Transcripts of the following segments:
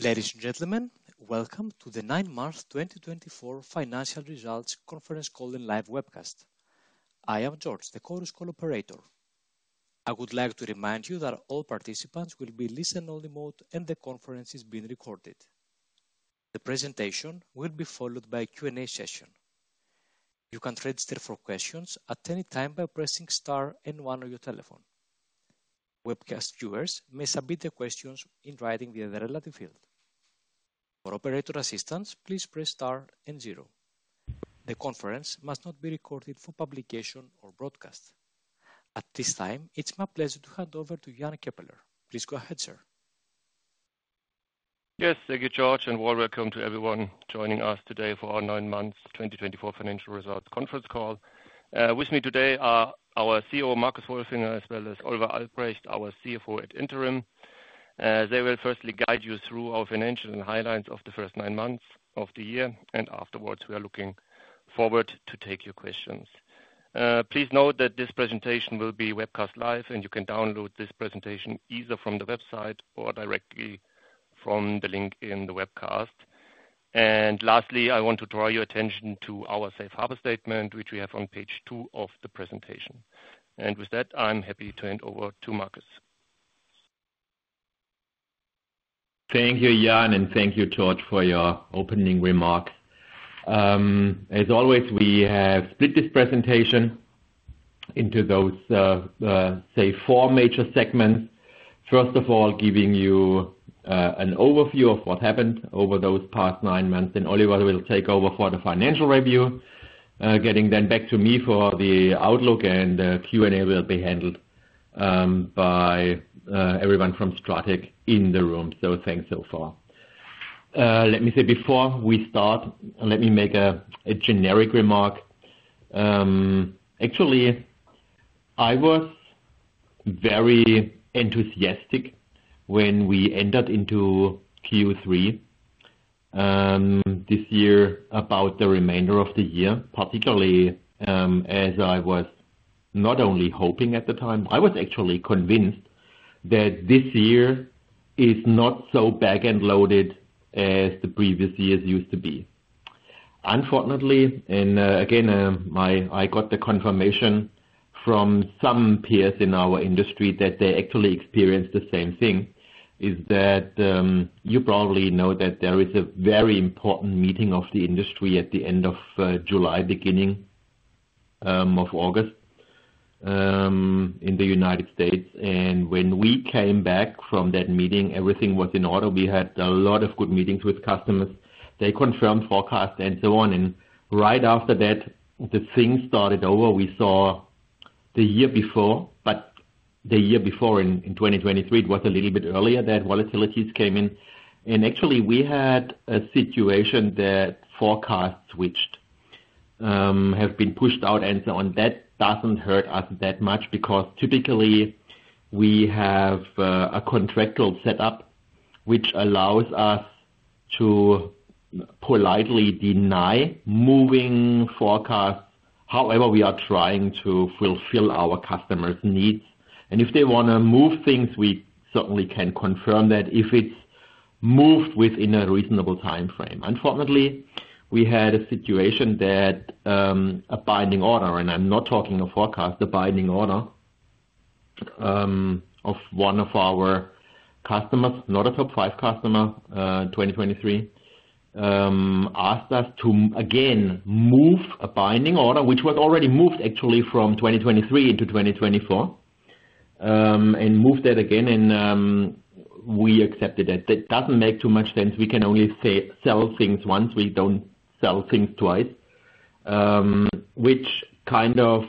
Ladies and gentlemen, welcome to the Nine Months 2024 Financial Results Conference Call and live webcast. I am George, the Chorus Call operator. I would like to remind you that all participants will be listen-only mode and the conference is being recorded. The presentation will be followed by a Q&A session. You can register for questions at any time by pressing star and one on your telephone. Webcast viewers may submit their questions in writing via the relevant field. For operator assistance, please press star and zero. The conference must not be recorded for publication or broadcast. At this time, it's my pleasure to hand over to Jan Keppeler. Please go ahead, sir. Yes, thank you, George, and well, welcome to everyone joining us today for our nine months 2024 financial results conference call. With me today are our CEO, Marcus Wolfinger, as well as Oliver Albrecht, our CFO ad interim. They will firstly guide you through our financial and highlights of the first nine months of the year, and afterwards, we are looking forward to take your questions. Please note that this presentation will be webcast live, and you can download this presentation either from the website or directly from the link in the webcast. And lastly, I want to draw your attention to our Safe Harbor Statement, which we have on page two of the presentation. And with that, I'm happy to hand over to Marcus. Thank you, Jan, and thank you, George, for your opening remark. As always, we have split this presentation into those, say, four major segments. First of all, giving you an overview of what happened over those past nine months, then Oliver will take over for the financial review. Getting then back to me for the outlook and the Q&A will be handled by everyone from STRATEC in the room. So thanks so far. Let me say before we start, let me make a generic remark. Actually, I was very enthusiastic when we entered into Q3 this year about the remainder of the year, particularly, as I was not only hoping at the time, I was actually convinced that this year is not so back-end loaded as the previous years used to be. Unfortunately, and again, I got the confirmation from some peers in our industry that they actually experienced the same thing, is that you probably know that there is a very important meeting of the industry at the end of July, beginning of August, in the United States, and when we came back from that meeting, everything was in order. We had a lot of good meetings with customers. They confirmed forecast and so on, and right after that, the thing started over. We saw the year before, but the year before in 2023, it was a little bit earlier that volatilities came in, and actually, we had a situation that forecasts which have been pushed out and so on. That doesn't hurt us that much because typically we have a contractual setup which allows us to politely deny moving forecasts. However, we are trying to fulfill our customers' needs, and if they wanna move things, we certainly can confirm that if it's moved within a reasonable timeframe. Unfortunately, we had a situation that a binding order, and I'm not talking a forecast, a binding order of one of our customers, not a top five customer, 2023 asked us to again move a binding order, which was already moved actually from 2023 into 2024 and move that again, and we accepted that. That doesn't make too much sense. We can only say sell things once. We don't sell things twice. Which kind of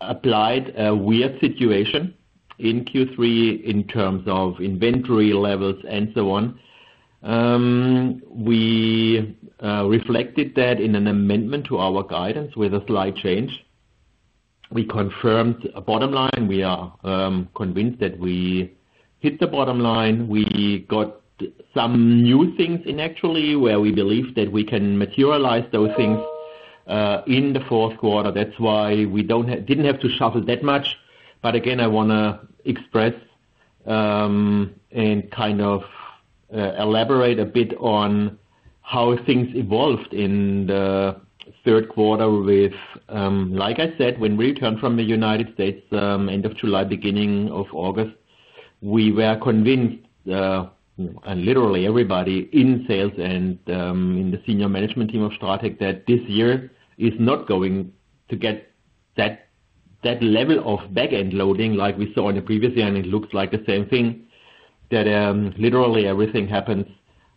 applied a weird situation in Q3 in terms of inventory levels and so on. We reflected that in an amendment to our guidance with a slight change. We confirmed a bottom line. We are convinced that we hit the bottom line. We got some new things in actually, where we believe that we can materialize those things in the fourth quarter. That's why we didn't have to shuffle that much. But again, I wanna express and kind of elaborate a bit on how things evolved in the third quarter with Like I said, when we returned from the United States, end of July, beginning of August, we were convinced, and literally everybody in sales and in the senior management team of STRATEC, that this year is not going to get that level of back-end loading like we saw in the previous year, and it looks like the same thing, literally everything happens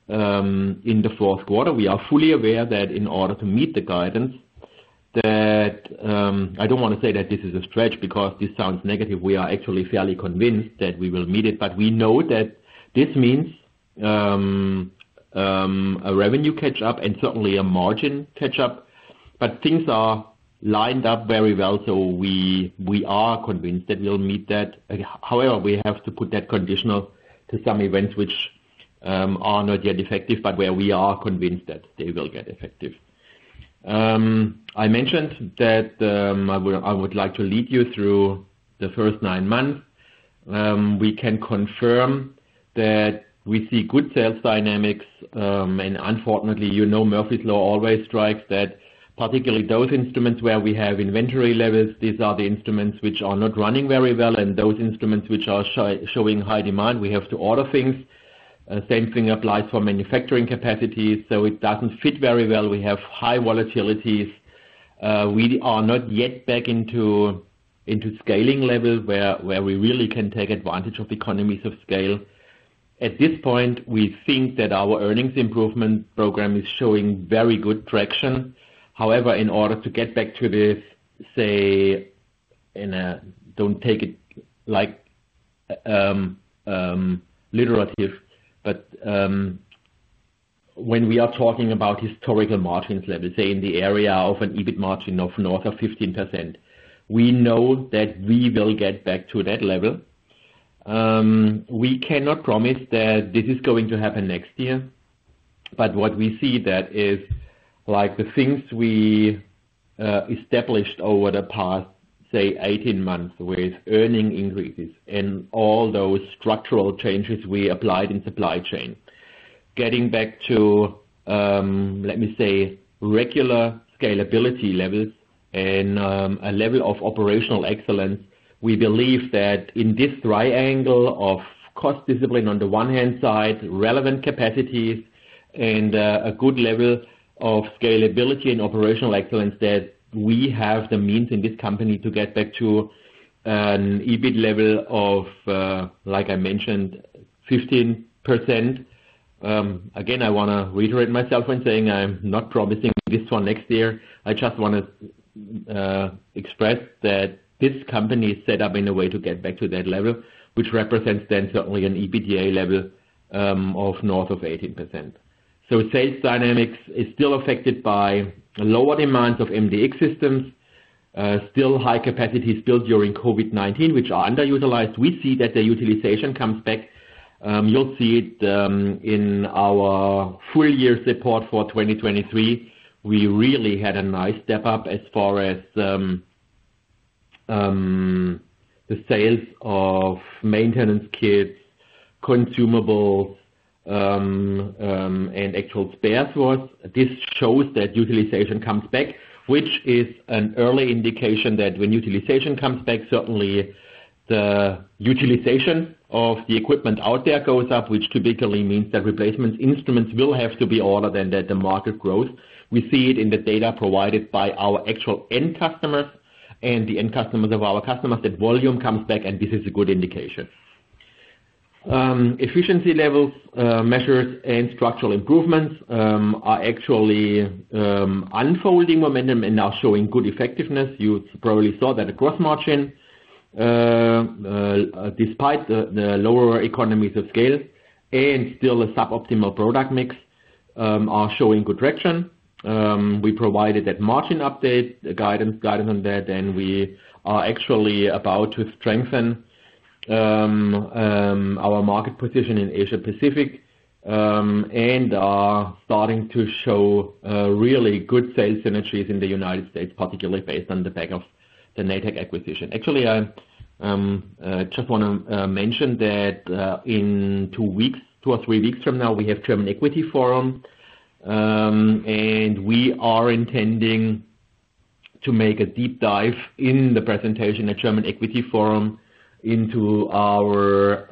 in the fourth quarter. We are fully aware that in order to meet the guidance, I don't want to say that this is a stretch because this sounds negative. We are actually fairly convinced that we will meet it, but we know that this means a revenue catch up and certainly a margin catch up, but things are lined up very well, so we are convinced that we'll meet that. However, we have to put that conditional to some events which are not yet effective, but where we are convinced that they will get effective. I mentioned that I would like to lead you through the first nine months. We can confirm that we see good sales dynamics, and unfortunately, you know, Murphy's Law always strikes that, particularly those instruments where we have inventory levels, these are the instruments which are not running very well, and those instruments which are showing high demand, we have to order things. Same thing applies for manufacturing capacities, so it doesn't fit very well. We have high volatilities. We are not yet back into scaling levels where we really can take advantage of economies of scale. At this point, we think that our earnings improvement program is showing very good traction. However, in order to get back to this, say, don't take it literally, but, when we are talking about historical margins level, say, in the area of an EBIT margin of north of 15%, we know that we will get back to that level. We cannot promise that this is going to happen next year, but what we see that is, like, the things we established over the past, say, 18 months, with earning increases and all those structural changes we applied in supply chain. Getting back to, let me say, regular scalability levels and, a level of operational excellence, we believe that in this triangle of cost discipline, on the one hand side, relevant capacities and, a good level of scalability and operational excellence, that we have the means in this company to get back to an EBIT level of, like I mentioned, 15%. Again, I want to reiterate myself when saying I'm not promising this for next year. I just want to, express that this company is set up in a way to get back to that level, which represents then certainly an EBITDA level, of north of 18%. Sales dynamics is still affected by lower demand of MDX systems, still high capacities built during COVID-19, which are underutilized. We see that the utilization comes back. You'll see it in our full year report for 2023. We really had a nice step up as far as the sales of maintenance kits, consumables, and actual spare parts. This shows that utilization comes back, which is an early indication that when utilization comes back, certainly the utilization of the equipment out there goes up, which typically means that replacement instruments will have to be ordered and that the market grows. We see it in the data provided by our actual end customers and the end customers of our customers, that volume comes back, and this is a good indication. Efficiency levels, measures, and structural improvements are actually unfolding momentum and are showing good effectiveness. You probably saw that the gross margin, despite the lower economies of scale and still a suboptimal product mix, are showing good direction. We provided that margin update, the guidance on that, and we are actually about to strengthen our market position in Asia Pacific, and are starting to show really good sales synergies in the United States, particularly based on the back of the Natech acquisition. Actually, I just want to mention that, in two weeks, two or three weeks from now, we have German Equity Forum, and we are intending to make a deep dive in the presentation at German Equity Forum into our,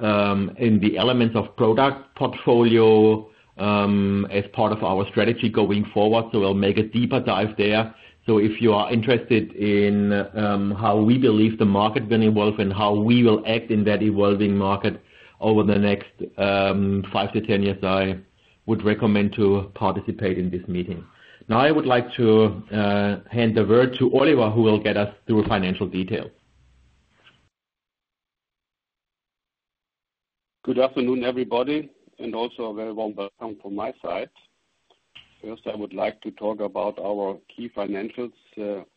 in the elements of product portfolio, as part of our strategy going forward. We'll make a deeper dive there. So if you are interested in how we believe the market will evolve and how we will act in that evolving market over the next five to 10 years, I would recommend to participate in this meeting. Now, I would like to hand over to Oliver, who will get us through financial details. Good afternoon, everybody, and also a very warm welcome from my side. First, I would like to talk about our key financials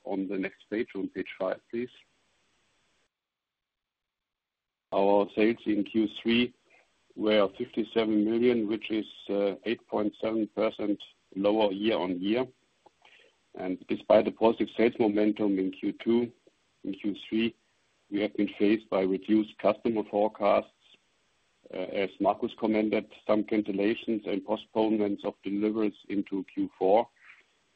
on the next page. On page five, please. Our sales in Q3 were 57 million, which is 8.7% lower year on year. And despite the positive sales momentum in Q2, in Q3, we have been faced by reduced customer forecasts. As Marcus commented, some cancellations and postponements of deliveries into Q4,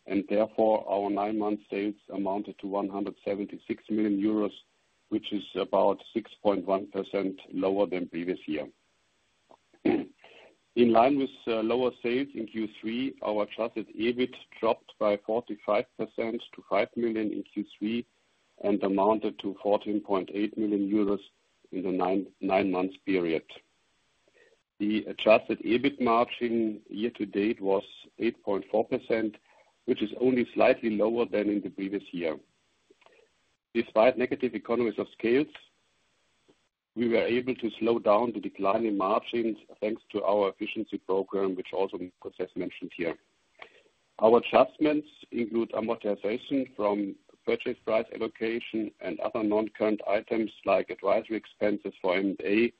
and therefore our nine-month sales amounted to 176 million euros, which is about 6.1% lower than previous year. In line with lower sales in Q3, our adjusted EBIT dropped by 45% to 5 million in Q3 and amounted to 14.8 million euros in the nine-month period. The adjusted EBIT margin year to date was 8.4%, which is only slightly lower than in the previous year. Despite negative economies of scale, we were able to slow down the decline in margins, thanks to our efficiency program, which also was mentioned here. Our adjustments include amortization from purchase price allocation and other non-current items like advisory expenses for M&A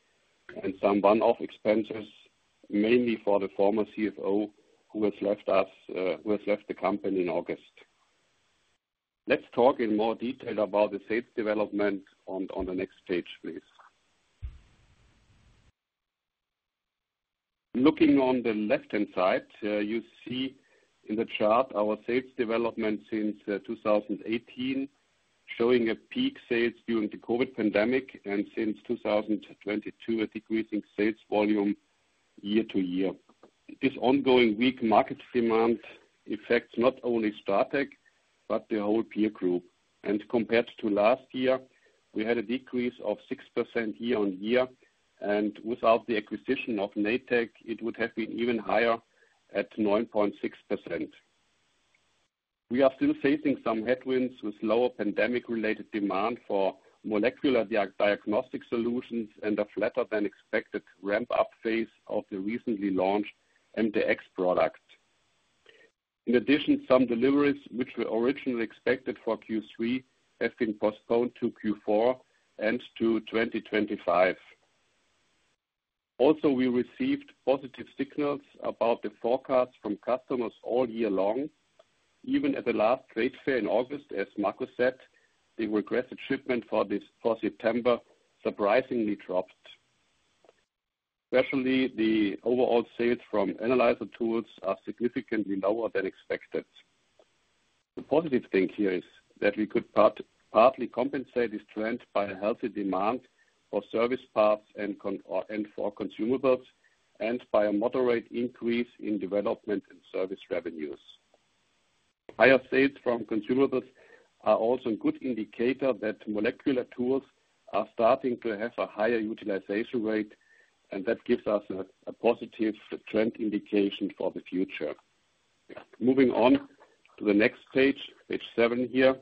and some one-off expenses, mainly for the former CFO who has left us, who has left the company in August. Let's talk in more detail about the sales development on the next page, please. Looking on the left-hand side, you see in the chart our sales development since 2018, showing a peak sales during the COVID pandemic, and since 2022, a decreasing sales volume year to year. This ongoing weak market demand affects not only STRATEC, but the whole peer group, and compared to last year, we had a decrease of 6% year on year, and without the acquisition of Natech, it would have been even higher at 9.6%. We are still facing some headwinds with lower pandemic-related demand for molecular diagnostic solutions and a flatter than expected ramp-up phase of the recently launched MDX product. In addition, some deliveries, which were originally expected for Q3, have been postponed to Q4 and to 2025. Also, we received positive signals about the forecast from customers all year long, even at the last trade fair in August, as Marcus said, the requested shipment for this, for September surprisingly dropped. Especially, the overall sales from analyzer tools are significantly lower than expected. The positive thing here is that we could partly compensate this trend by a healthy demand for service parts and consumables, and by a moderate increase in development and service revenues. Higher sales from consumables are also a good indicator that molecular tools are starting to have a higher utilization rate, and that gives us a positive trend indication for the future. Moving on to the next page, page seven here,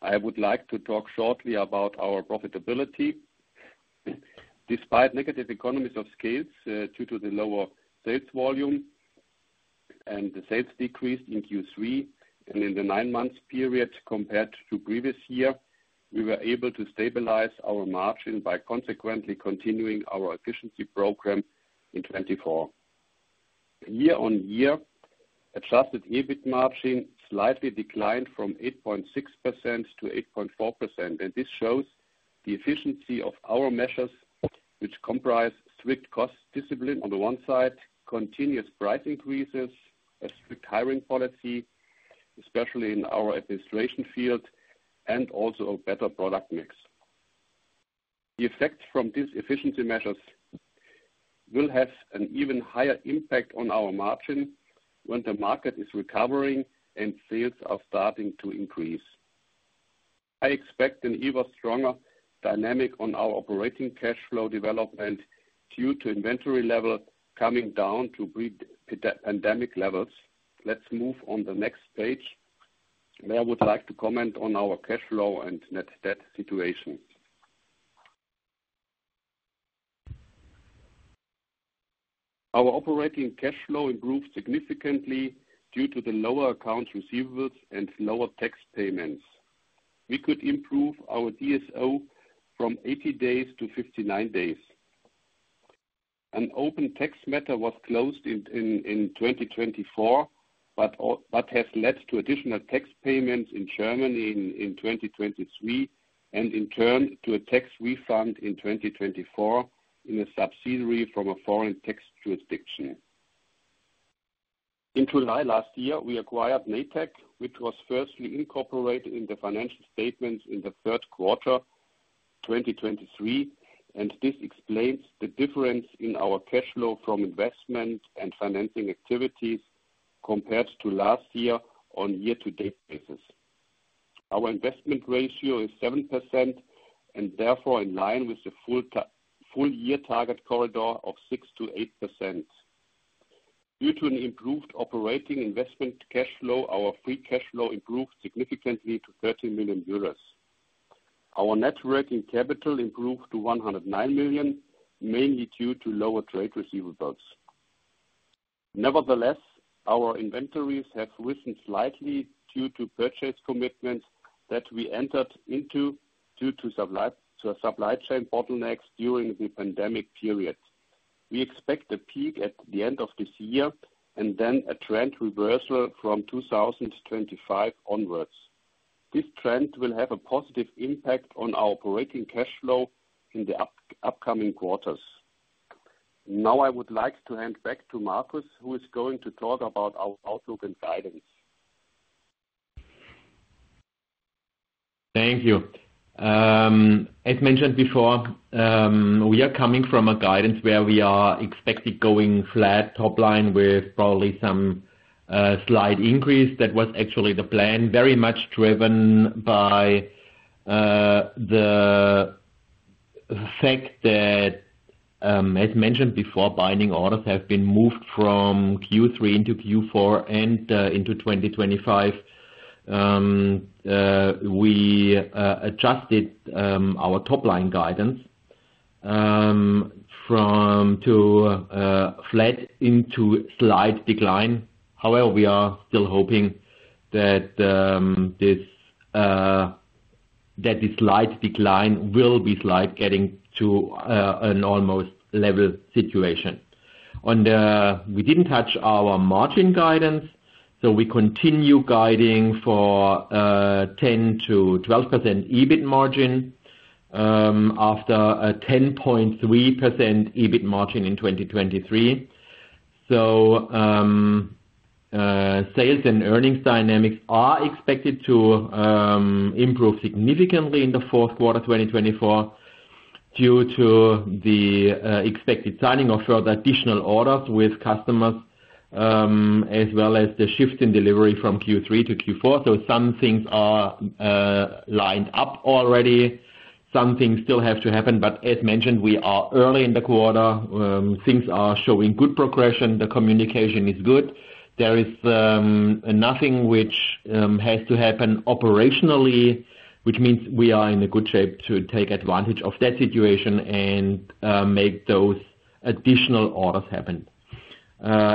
I would like to talk shortly about our profitability. Despite negative economies of scale, due to the lower sales volume and the sales decrease in Q3 and in the nine-month period compared to previous year, we were able to stabilize our margin by consequently continuing our efficiency program in 2024. Year on year, adjusted EBIT margin slightly declined from 8.6% to 8.4%, and this shows the efficiency of our measures, which comprise strict cost discipline on the one side, continuous price increases, a strict hiring policy, especially in our administration field, and also a better product mix. The effect from these efficiency measures will have an even higher impact on our margin when the market is recovering and sales are starting to increase. I expect an even stronger dynamic on our operating cash flow development due to inventory level coming down to pre-pandemic levels. Let's move on the next page, where I would like to comment on our cash flow and net debt situation. Our operating cash flow improved significantly due to the lower accounts receivables and lower tax payments. We could improve our DSO from 80 days to 59 days. An open tax matter was closed in 2024, but has led to additional tax payments in Germany in 2023, and in turn, to a tax refund in 2024 in a subsidiary from a foreign tax jurisdiction. In July last year, we acquired Natech, which was firstly incorporated in the financial statements in the third quarter, 2023, and this explains the difference in our cash flow from investment and financing activities compared to last year on year-to-date basis. Our investment ratio is 7%, and therefore in line with the full year target corridor of 6%-8%. Due to an improved operating investment cash flow, our free cash flow improved significantly to 13 million euros. Our net working capital improved to 109 million, mainly due to lower trade receivables. Nevertheless, our inventories have risen slightly due to purchase commitments that we entered into due to supply chain bottlenecks during the pandemic period. We expect a peak at the end of this year, and then a trend reversal from 2025 onwards. This trend will have a positive impact on our operating cash flow in the upcoming quarters. Now, I would like to hand back to Marcus, who is going to talk about our outlook and guidance. Thank you. As mentioned before, we are coming from a guidance where we are expected going flat top line with probably some slight increase. That was actually the plan, very much driven by the fact that, as mentioned before, binding orders have been moved from Q3 into Q4 and into 2025. We adjusted our top-line guidance from to flat into slight decline. However, we are still hoping that the slight decline will be slight, getting to an almost level situation. On the, we didn't touch our margin guidance, so we continue guiding for 10%-12% EBIT margin after a 10.3% EBIT margin in 2023. Sales and earnings dynamics are expected to improve significantly in the fourth quarter, 2024, due to the expected signing of further additional orders with customers, as well as the shift in delivery from Q3 to Q4. Some things are lined up already. Some things still have to happen, but as mentioned, we are early in the quarter. Things are showing good progression. The communication is good. There is nothing which has to happen operationally, which means we are in a good shape to take advantage of that situation and make those additional orders happen.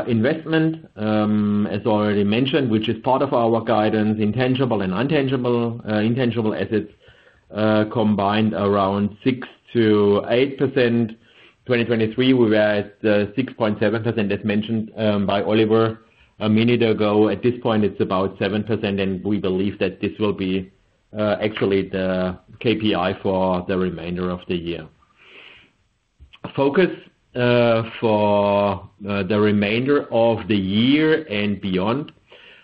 Investment, as already mentioned, which is part of our guidance, tangible and intangible assets, combined around 6%-8%. 2023, we were at 6.7%, as mentioned by Oliver a minute ago. At this point, it's about 7%, and we believe that this will be actually the KPI for the remainder of the year. Focus for the remainder of the year and beyond.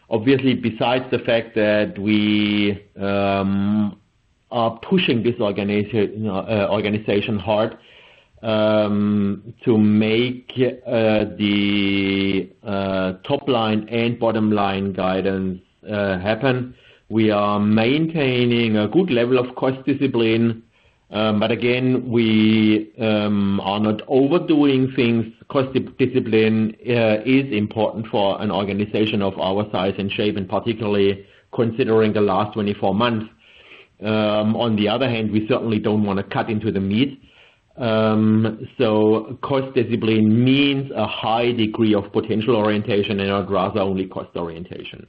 Obviously, besides the fact that we are pushing this organization hard to make the top line and bottom line guidance happen, we are maintaining a good level of cost discipline. But again, we are not overdoing things. Cost discipline is important for an organization of our size and shape, and particularly considering the last 24 months. On the other hand, we certainly don't want to cut into the meat. So cost discipline means a high degree of potential orientation and not rather only cost orientation.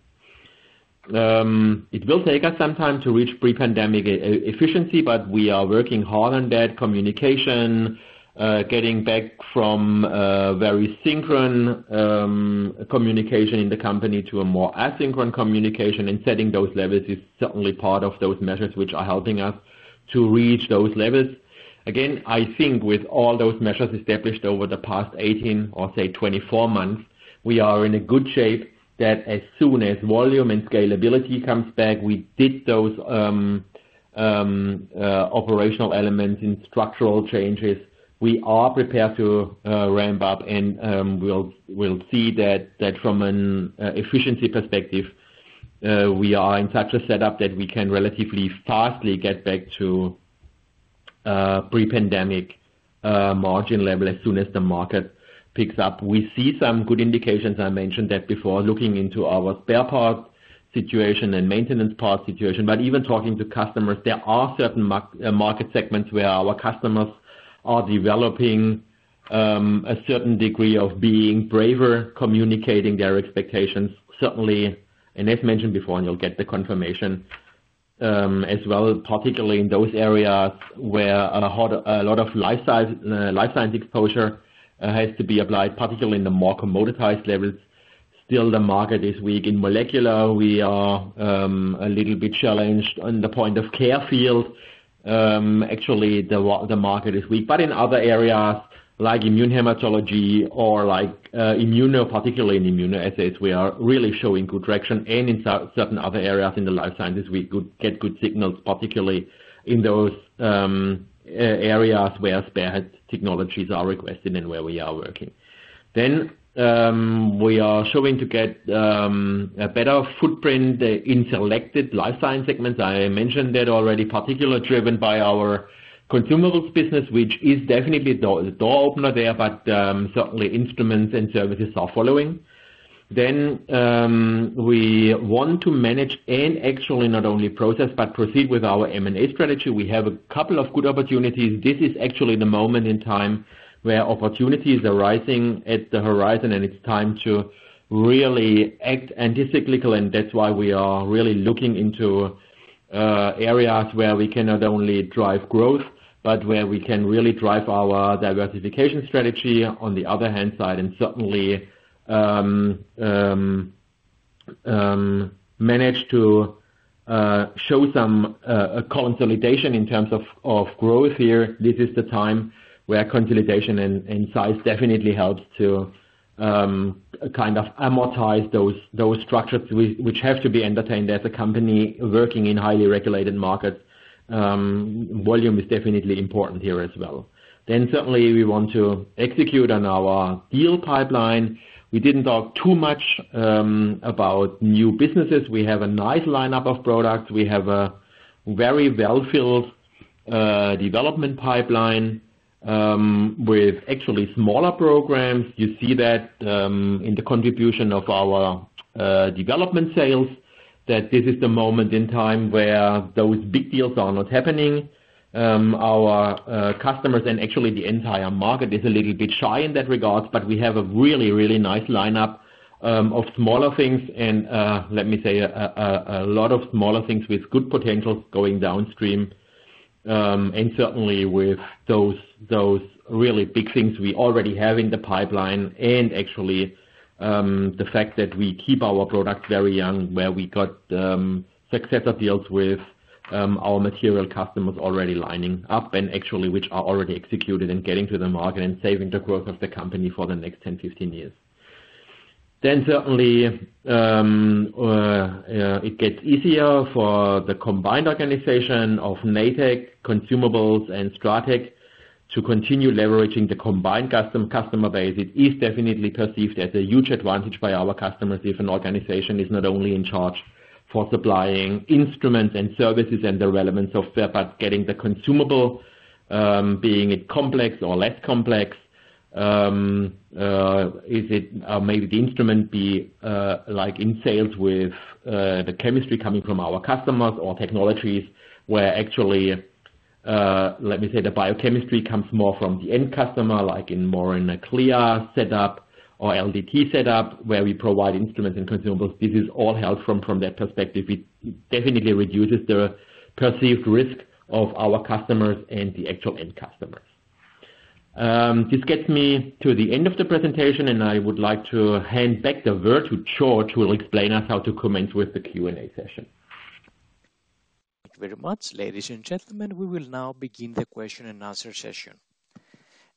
It will take us some time to reach pre-pandemic efficiency, but we are working hard on that communication, getting back from very synchronous communication in the company to a more asynchronous communication, and setting those levels is certainly part of those measures which are helping us to reach those levels. Again, I think with all those measures established over the past 18 or say 24 months, we are in a good shape that as soon as volume and scalability comes back, we did those operational elements and structural changes. We are prepared to ramp up, and we'll see that from an efficiency perspective, we are in such a setup that we can relatively fastly get back to pre-pandemic margin level as soon as the market picks up. We see some good indications. I mentioned that before, looking into our spare parts situation and maintenance part situation, but even talking to customers, there are certain market segments where our customers are developing a certain degree of being braver, communicating their expectations. Certainly, and as mentioned before, and you'll get the confirmation as well, particularly in those areas where a lot of life science exposure has to be applied, particularly in the more commoditized levels. Still, the market is weak. In molecular, we are a little bit challenged on the point of care field. Actually, the market is weak, but in other areas like immunohematology or like immunoassays, we are really showing good direction. In certain other areas in the life sciences, we get good signals, particularly in those areas where our technologies are requested and where we are working. We are starting to get a better footprint in selected life science segments. I mentioned that already, particularly driven by our consumables business, which is definitely the door opener there, but certainly instruments and services are following. We want to manage and actually not only process, but proceed with our M&A strategy. We have a couple of good opportunities. This is actually the moment in time where opportunities are rising at the horizon, and it's time to really act anti-cyclical, and that's why we are really looking into areas where we can not only drive growth, but where we can really drive our diversification strategy on the other hand side, and certainly manage to show some a consolidation in terms of growth here. This is the time where consolidation and size definitely helps to kind of amortize those structures which have to be entertained as a company working in highly regulated markets. Volume is definitely important here as well. Then certainly we want to execute on our deal pipeline. We didn't talk too much about new businesses. We have a nice lineup of products. We have a very well-filled development pipeline with actually smaller programs. You see that in the contribution of our development sales, that this is the moment in time where those big deals are not happening. Our customers and actually the entire market is a little bit shy in that regard, but we have a really, really nice lineup of smaller things and let me say a lot of smaller things with good potential going downstream. And certainly with those really big things we already have in the pipeline, and actually the fact that we keep our product very young, where we got successor deals with our material customers already lining up and actually, which are already executed and getting to the market and saving the growth of the company for the next 10, 15 years. Then certainly, it gets easier for the combined organization of Natech consumables and STRATEC to continue leveraging the combined customer base. It is definitely perceived as a huge advantage by our customers if an organization is not only in charge for supplying instruments and services and the relevance of that, but getting the consumable, be it complex or less complex, like in sales with the chemistry coming from our customers or technologies, where actually, let me say the biochemistry comes more from the end customer, like in more in a CLIA setup or LDT setup, where we provide instruments and consumables. This is all helped from that perspective, it definitely reduces the perceived risk of our customers and the actual end customers. This gets me to the end of the presentation, and I would like to hand back the word to George, who will explain us how to commence with the Q&A session. Thank you very much, ladies and gentlemen. We will now begin the question and answer session.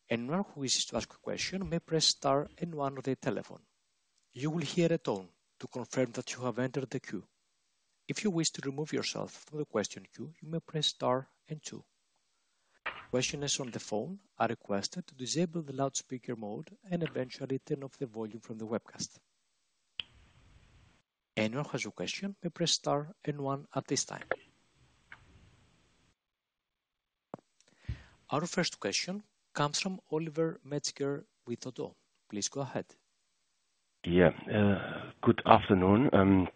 Anyone who wishes to ask a question may press star and one on their telephone. You will hear a tone to confirm that you have entered the queue. If you wish to remove yourself from the question queue, you may press star and two. Questioners on the phone are requested to disable the loudspeaker mode and eventually turn off the volume from the webcast. Anyone who has a question may press star and one at this time. Our first question comes from Oliver Metzger with ODDO. Please go ahead. Yeah, good afternoon.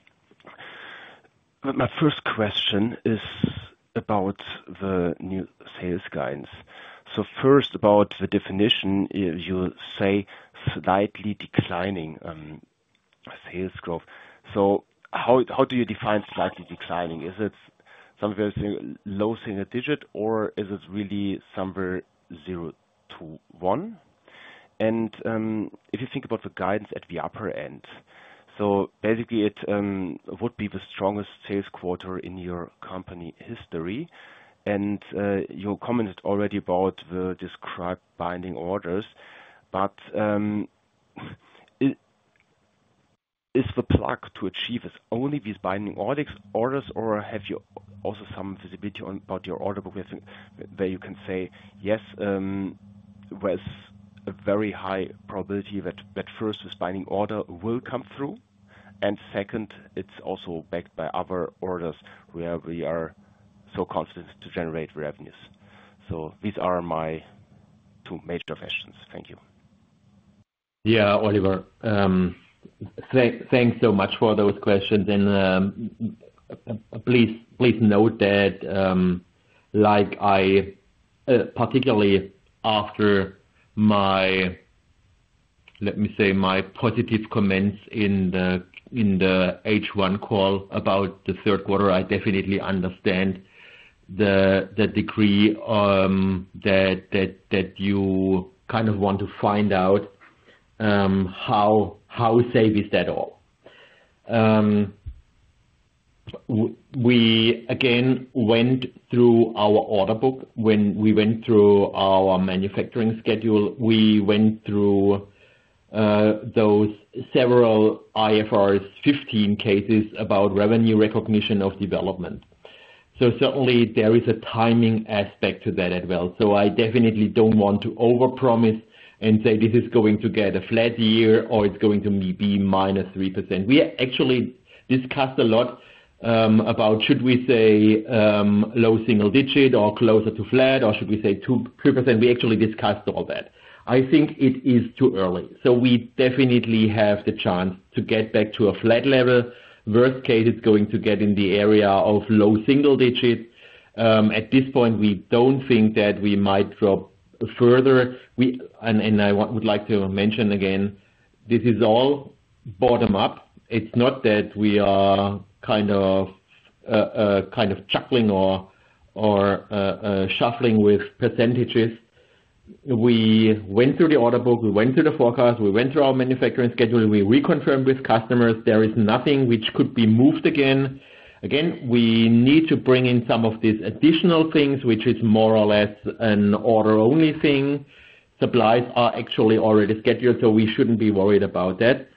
My first question is about the new sales guidance. So first, about the definition, you say slightly declining sales growth. So how do you define slightly declining? Is it somewhere low single digit, or is it really somewhere zero to one? And, if you think about the guidance at the upper end, so basically it would be the strongest sales quarter in your company history. You commented already about the described binding orders, but is the plug to achieve this only these binding orders, or have you also some visibility on about your order book, where you can say, "Yes, with a very high probability that first, the binding order will come through, and second, it's also backed by other orders where we are so confident to generate revenues." So these are my two major questions. Thank you. Yeah, Oliver, thanks so much for those questions. And please note that, like I, particularly after my, let me say, my positive comments in the H1 call about the third quarter, I definitely understand the degree that you kind of want to find out how safe is that all? We again went through our order book. When we went through our manufacturing schedule, we went through those several IFRS 15 cases about revenue recognition of development. So certainly there is a timing aspect to that as well. So I definitely don't want to overpromise and say, this is going to get a flat year, or it's going to be -3%. We actually discussed a lot about should we say low single digit, or closer to flat, or should we say 2%,3%? We actually discussed all that. I think it is too early, so we definitely have the chance to get back to a flat level. Worst case, it's going to get in the area of low single digits. At this point, we don't think that we might drop further and I would like to mention again, this is all bottom-up. It's not that we are kind of chuckling or shuffling with percentages. We went through the order book, we went through the forecast, we went through our manufacturing schedule, we reconfirmed with customers. There is nothing which could be moved again. Again, we need to bring in some of these additional things, which is more or less an order-only thing. Supplies are actually already scheduled, so we shouldn't be worried about that.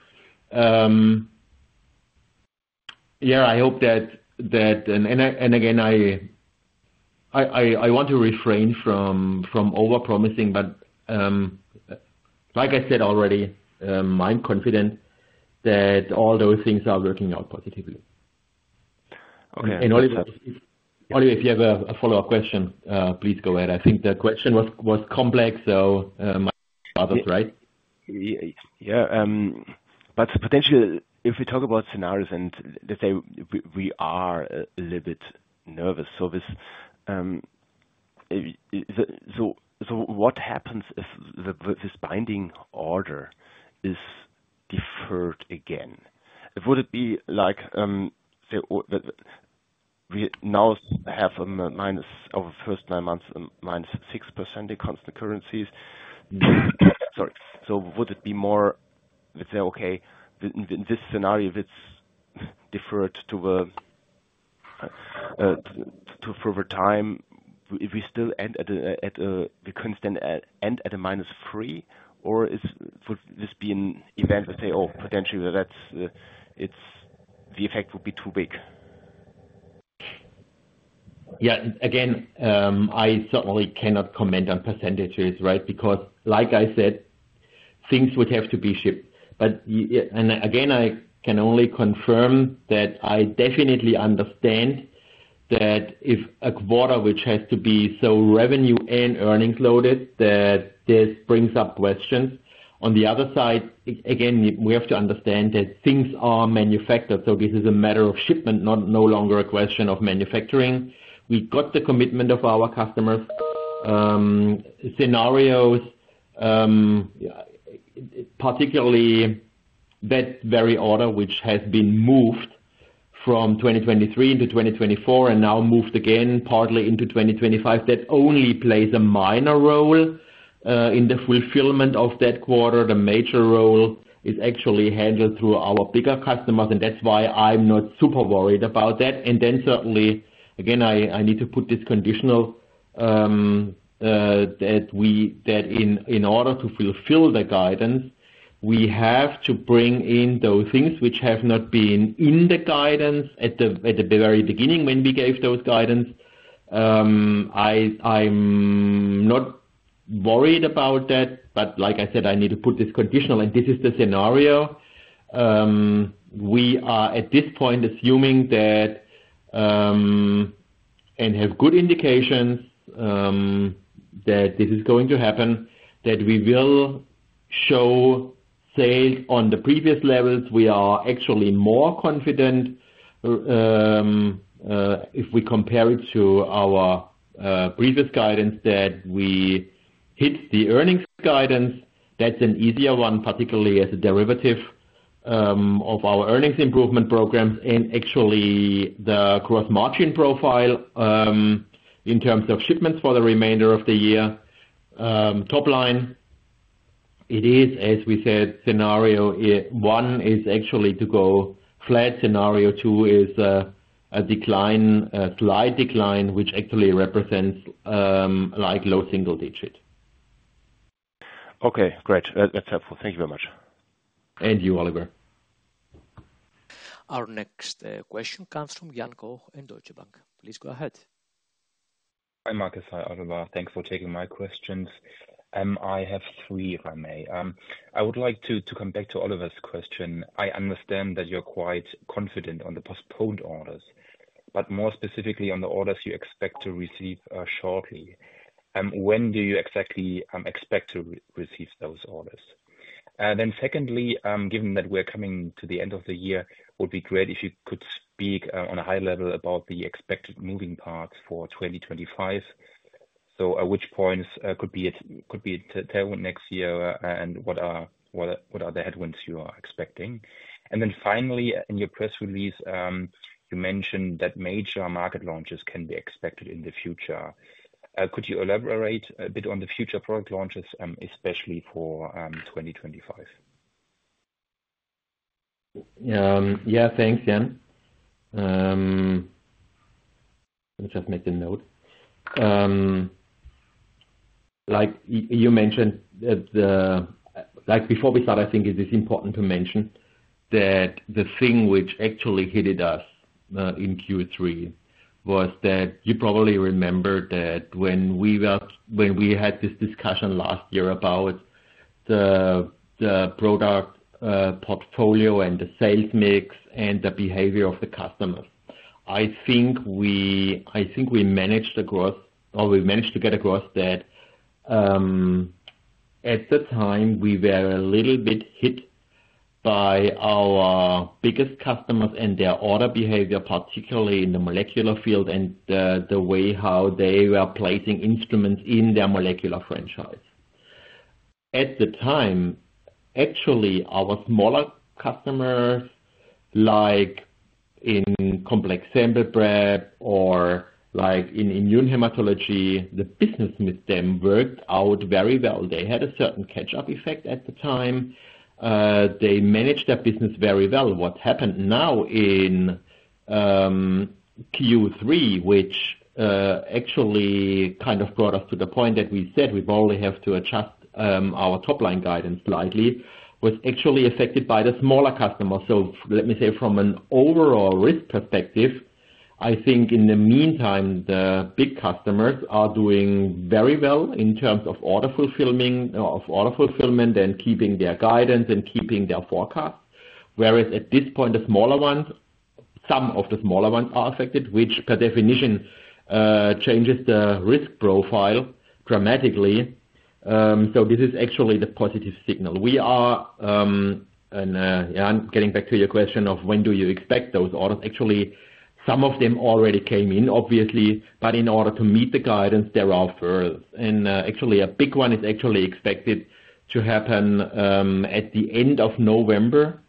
Yeah, I hope that. And again, I want to refrain from overpromising, but like I said already, I'm confident that all those things are working out positively. Okay. Oliver, Oliver, if you have a follow-up question, please go ahead. I think the question was complex, so right? Yeah, but potentially, if we talk about scenarios and let's say we are a little bit nervous. So what happens if this binding order is deferred again, would it be like, we now have a minus over the first nine months, -6% in constant currencies? Sorry. So would it be more, let's say, okay, in this scenario, if it's deferred to a further time, if we still end at a, we can then end at a -3%, or would this be an event to say, oh, potentially that's, it's the effect would be too big? Yeah. Again, I certainly cannot comment on percentages, right? Because like I said, things would have to be shipped. But yeah, and again, I can only confirm that I definitely understand that if a quarter, which has to be so revenue and earnings loaded, that this brings up questions. On the other side, again, we have to understand that things are manufactured, so this is a matter of shipment, no longer a question of manufacturing. We got the commitment of our customers, scenarios, yeah, particularly that very order, which has been moved from 2023 into 2024 and now moved again partly into 2025, that only plays a minor role in the fulfillment of that quarter. The major role is actually handled through our bigger customers, and that's why I'm not super worried about that. And then, certainly, again, I need to put this conditional, that in order to fulfill the guidance, we have to bring in those things which have not been in the guidance at the very beginning when we gave those guidance. I'm not worried about that, but like I said, I need to put this conditional, and this is the scenario. We are, at this point, assuming that and have good indications that this is going to happen, that we will show sales on the previous levels. We are actually more confident, if we compare it to our previous guidance, that we hit the earnings guidance. That's an easier one, particularly as a derivative of our earnings improvement programs and actually the gross margin profile in terms of shipments for the remainder of the year. Top line, it is, as we said, scenario one is actually to go flat. Scenario two is a decline, a slight decline, which actually represents like low single digit. Okay, great. That's helpful. Thank you very much. And you, Oliver. Our next question comes from Jan Koch in Deutsche Bank. Please go ahead. Hi, Marcus and Oliver. Thanks for taking my questions. I have three, if I may. I would like to come back to Oliver's question. I understand that you're quite confident on the postponed orders, but more specifically on the orders you expect to receive shortly. When do you exactly expect to receive those orders? Then secondly, given that we're coming to the end of the year, it would be great if you could speak on a high level about the expected moving parts for 2025. So at which points could it be tailwinds next year, and what are the headwinds you are expecting? And then finally, in your press release, you mentioned that major market launches can be expected in the future. Could you elaborate a bit on the future product launches, especially for 2025? Yeah, thanks, Jan. Let me just make the note. Like, you mentioned that the. Like, before we start, I think it is important to mention that the thing which actually hit us in Q3 was that you probably remember that when we had this discussion last year about the product portfolio and the sales mix and the behavior of the customers. I think we managed the growth, or we managed to get across that, at the time, we were a little bit hit by our biggest customers and their order behavior, particularly in the molecular field and the way how they were placing instruments in their molecular franchise. At the time, actually, our smaller customers, like in complex sample prep or like in immunohematology, the business with them worked out very well. They had a certain catch-up effect at the time. They managed their business very well. What happened now in Q3, which actually kind of brought us to the point that we said we probably have to adjust our top-line guidance slightly, was actually affected by the smaller customers, so let me say, from an overall risk perspective, I think in the meantime, the big customers are doing very well in terms of order fulfilling, of order fulfillment and keeping their guidance and keeping their forecast. Whereas at this point, the smaller ones, some of the smaller ones are affected, which, by definition, changes the risk profile dramatically, so this is actually the positive signal. We are, and yeah, I'm getting back to your question of when do you expect those orders? Actually, some of them already came in, obviously, but in order to meet the guidance, they're out first, and actually, a big one is actually expected to happen at the end of November,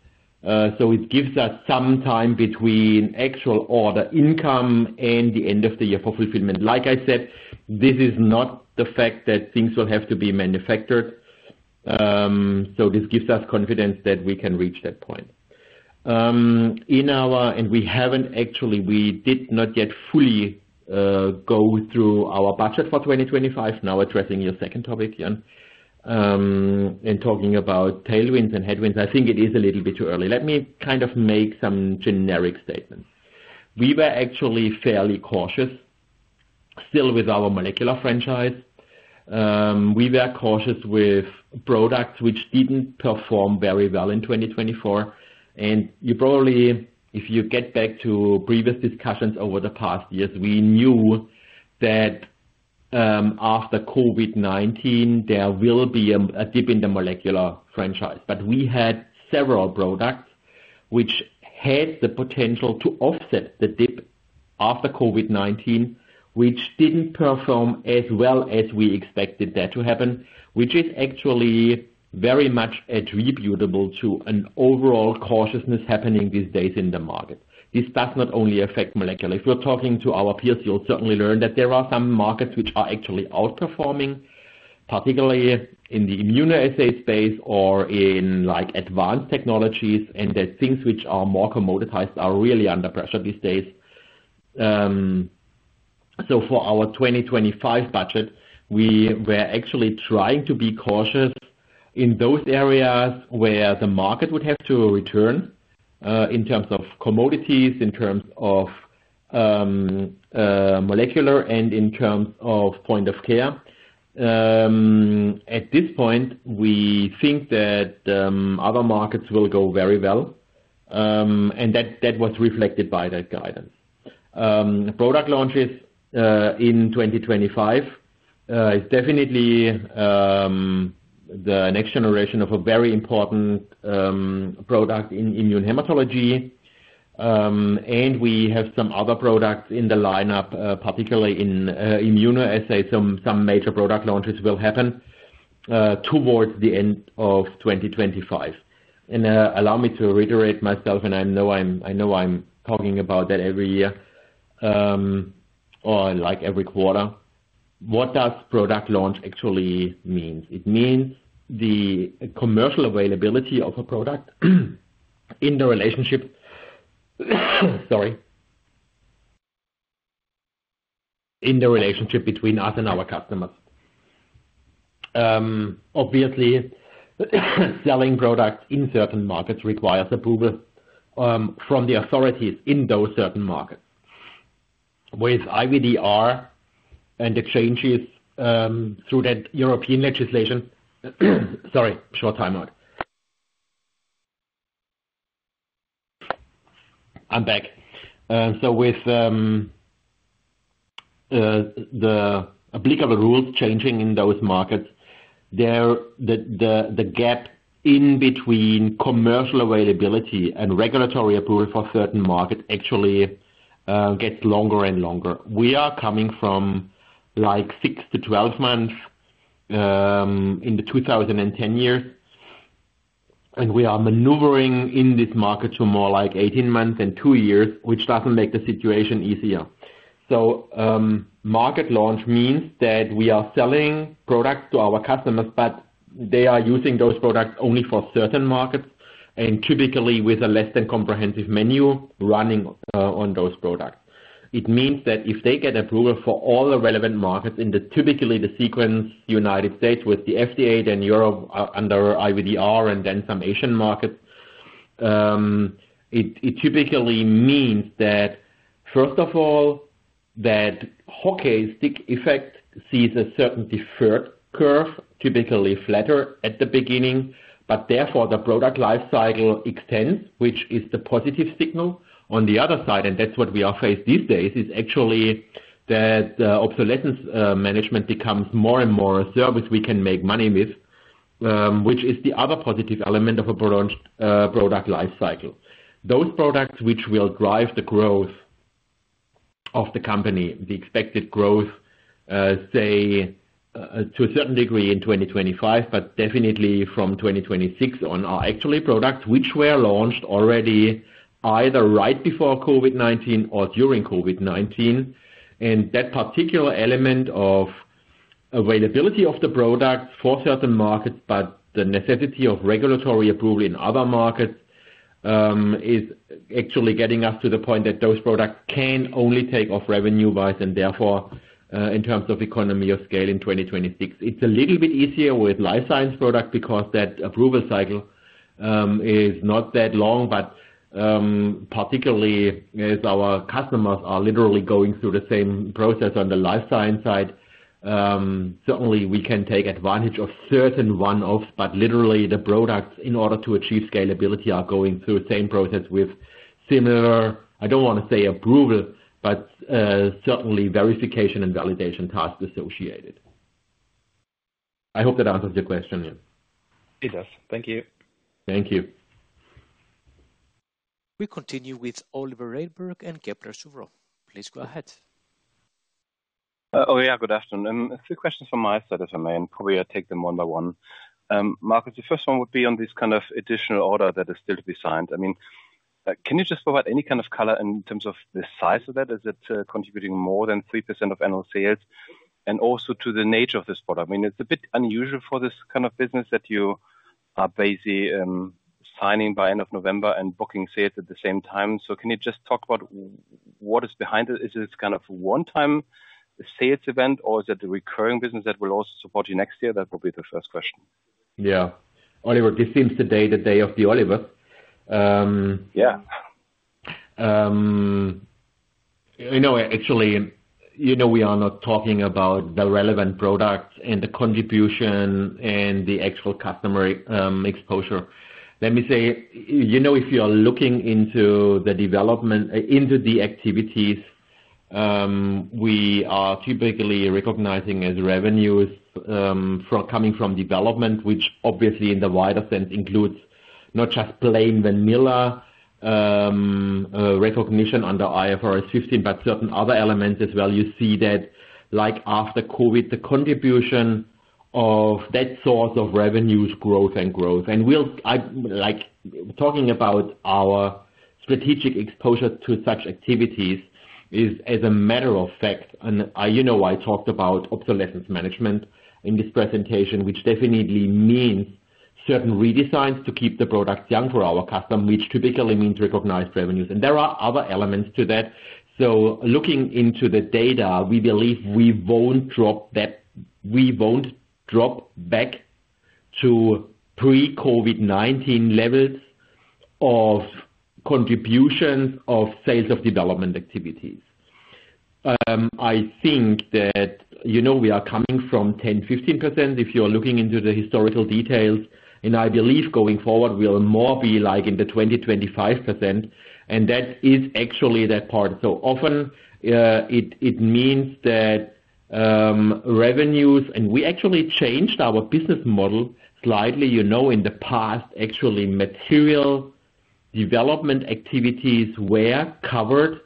so it gives us some time between actual order income and the end of the year for fulfillment. Like I said, this is not the fact that things will have to be manufactured, so this gives us confidence that we can reach that point and we haven't actually, we did not yet fully go through our budget for 2025. Now, addressing your second topic, Jan, in talking about tailwinds and headwinds, I think it is a little bit too early. Let me kind of make some generic statements. We were actually fairly cautious still with our molecular franchise. We were cautious with products which didn't perform very well in 2024. And you probably, if you get back to previous discussions over the past years, we knew that, after COVID-19, there will be a dip in the molecular franchise. But we had several products which had the potential to offset the dip after COVID-19, which didn't perform as well as we expected that to happen, which is actually very much attributable to an overall cautiousness happening these days in the market. This does not only affect molecular. If we're talking to our peers, you'll certainly learn that there are some markets which are actually outperforming, particularly in the immunoassay space or in, like, advanced technologies, and that things which are more commoditized are really under pressure these days. So for our 2025 budget, we were actually trying to be cautious in those areas where the market would have to return in terms of commodities, in terms of molecular, and in terms of point of care. At this point, we think that other markets will go very well and that was reflected by that guidance. Product launches in 2025 is definitely the next generation of a very important product in immunohematology. And we have some other products in the lineup, particularly in immunoassays. Some major product launches will happen towards the end of 2025. And allow me to reiterate myself, and I know I'm talking about that every year or like every quarter. What does product launch actually means? It means the commercial availability of a product in the relationship, sorry. In the relationship between us and our customers. Obviously, selling products in certain markets requires approval, from the authorities in those certain markets. With IVDR and changes, through that European legislation. Sorry, short timeout. I'm back. So with the applicable rules changing in those markets, the gap in between commercial availability and regulatory approval for certain markets actually gets longer and longer. We are coming from, like, six to 12 months, in the 2010s, and we are maneuvering in this market to more like 18 months and two years, which doesn't make the situation easier. Market launch means that we are selling products to our customers, but they are using those products only for certain markets and typically with a less than comprehensive menu running on those products. It means that if they get approval for all the relevant markets in the typical sequence United States with the FDA, then Europe under IVDR, and then some Asian markets. It typically means that first of all that hockey stick effect sees a certain deferred curve, typically flatter at the beginning, but therefore the product life cycle extends, which is the positive signal. On the other side, and that's what we are faced these days, is actually that obsolescence management becomes more and more a service we can make money with, which is the other positive element of a prolonged product life cycle. Those products which will drive the growth of the company, the expected growth, say, to a certain degree in 2025, but definitely from 2026 on, are actually products which were launched already, either right before COVID-19 or during COVID-19, and that particular element of availability of the product for certain markets, but the necessity of regulatory approval in other markets, is actually getting us to the point that those products can only take off revenue-wise, and therefore, in terms of economy of scale in 2026. It's a little bit easier with life science product because that approval cycle is not that long, but particularly as our customers are literally going through the same process on the life science side, certainly we can take advantage of certain one-offs, but literally the products, in order to achieve scalability, are going through the same process with similar. I don't want to say approval, but certainly verification and validation tasks associated. I hope that answers your question, Jan. It does. Thank you. Thank you. We continue with Oliver Reinberg and Kepler Cheuvreux. Please go ahead. Oh, yeah, good afternoon. A few questions from my side, as I may, and probably I take them one by one. Marcus, the first one would be on this kind of additional order that is still to be signed. I mean, can you just provide any kind of color in terms of the size of that? Is it contributing more than 3% of annual sales? And also to the nature of this product. I mean, it's a bit unusual for this kind of business that you are basically signing by end of November and booking sales at the same time. So can you just talk about what is behind it? Is it kind of a one-time sales event, or is it a recurring business that will also support you next year? That's probably the first question. Yeah. Oliver, this seems the day, the day of the Oliver. Yeah. You know, actually, you know, we are not talking about the relevant products and the contribution and the actual customer, exposure. Let me say, you know, if you are looking into the development, into the activities, we are typically recognizing as revenues, from, coming from development, which obviously in the wider sense, includes not just plain vanilla, recognition under IFRS 15, but certain other elements as well. You see that, like after COVID, the contribution of that source of revenues, growth and growth. And we'll-- I'd like, talking about our strategic exposure to such activities is, as a matter of fact, and I, you know, I talked about obsolescence management in this presentation, which definitely means certain redesigns to keep the products young for our customer, which typically means recognized revenues. And there are other elements to that. Looking into the data, we believe we won't drop that, we won't drop back to pre-COVID-19 levels of contributions of sales of development activities. I think that, you know, we are coming from 10%-15%, if you're looking into the historical details, and I believe going forward, we'll more be like in the 20%-25%, and that is actually that part. Often, it means that revenues, and we actually changed our business model slightly. You know, in the past, actually, material development activities were covered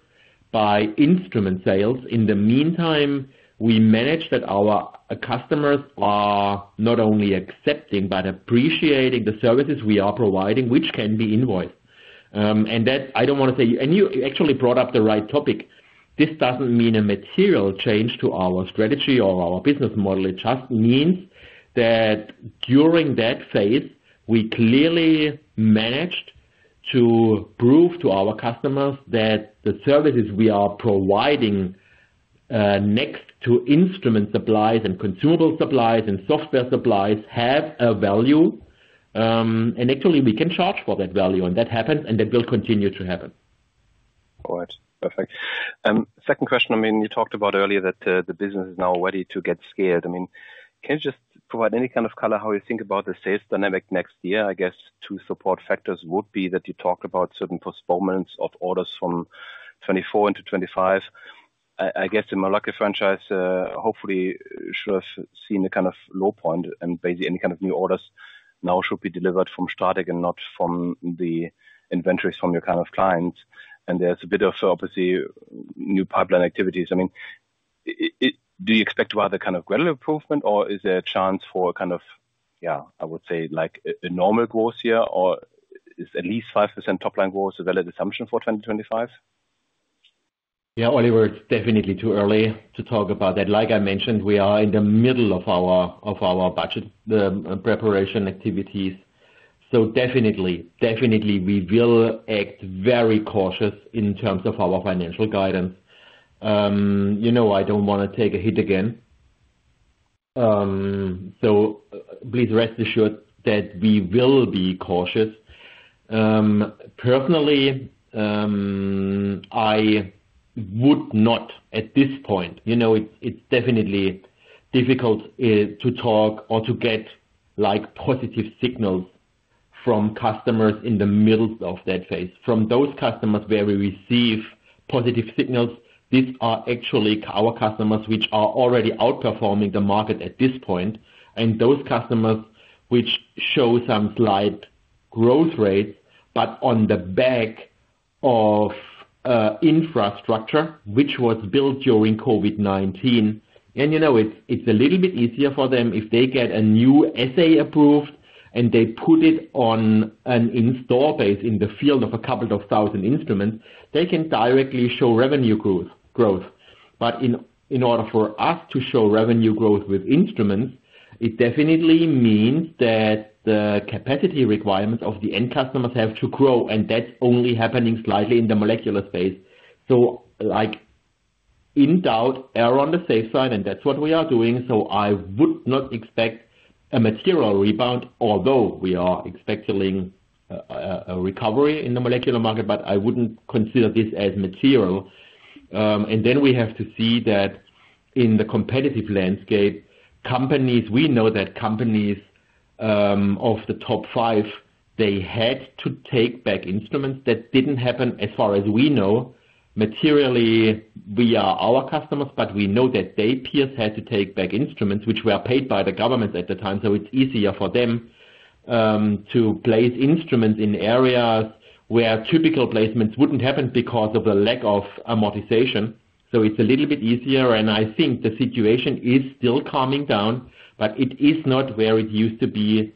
by instrument sales. In the meantime, we managed that our customers are not only accepting, but appreciating the services we are providing, which can be invoiced. And that, I don't want to say. And you actually brought up the right topic. This doesn't mean a material change to our strategy or our business model. It just means that during that phase, we clearly managed to prove to our customers that the services we are providing next to instrument supplies and consumable supplies and software supplies have a value, and actually we can charge for that value, and that happens, and that will continue to happen. All right. Perfect. Second question, I mean, you talked about earlier that the business is now ready to get scaled. I mean, can you just provide any kind of color, how you think about the sales dynamic next year? I guess two support factors would be that you talk about certain postponements of orders from 2024 into 2025. I guess the Hologic franchise hopefully should have seen a kind of low point, and basically any kind of new orders now should be delivered from STRATEC and not from the inventories from your kind of clients. And there's a bit of, obviously, new pipeline activities. I mean, it, do you expect to have the kind of gradual improvement, or is there a chance for kind of, yeah, I would say, like, a normal growth year, or is at least 5% top line growth a valid assumption for 2025? Yeah, Oliver, it's definitely too early to talk about that. Like I mentioned, we are in the middle of our budget preparation activities, so definitely we will act very cautious in terms of our financial guidance. You know, I don't want to take a hit again. So please rest assured that we will be cautious. Personally, I would not, at this point, you know, it's definitely difficult to talk or to get, like, positive signals from customers in the middle of that phase. From those customers where we receive positive signals, these are actually our customers, which are already outperforming the market at this point, and those customers which show some slight growth rates, but on the back of infrastructure, which was built during COVID-19. You know, it's a little bit easier for them if they get a new assay approved and they put it on an installed base in the field of a couple of thousand instruments. They can directly show revenue growth. But in order for us to show revenue growth with instruments, it definitely means that the capacity requirements of the end customers have to grow, and that's only happening slightly in the molecular space. Like, in doubt, err on the safe side, and that's what we are doing. I would not expect a material rebound, although we are expecting a recovery in the molecular market, but I wouldn't consider this as material. Then we have to see that in the competitive landscape. Companies. We know that companies of the top five, they had to take back instruments. That didn't happen as far as we know. Materially, with our customers, but we know that their peers had to take back instruments which were paid by the government at the time, so it's easier for them to place instruments in areas where typical placements wouldn't happen because of the lack of amortization. So it's a little bit easier, and I think the situation is still calming down, but it is not where it used to be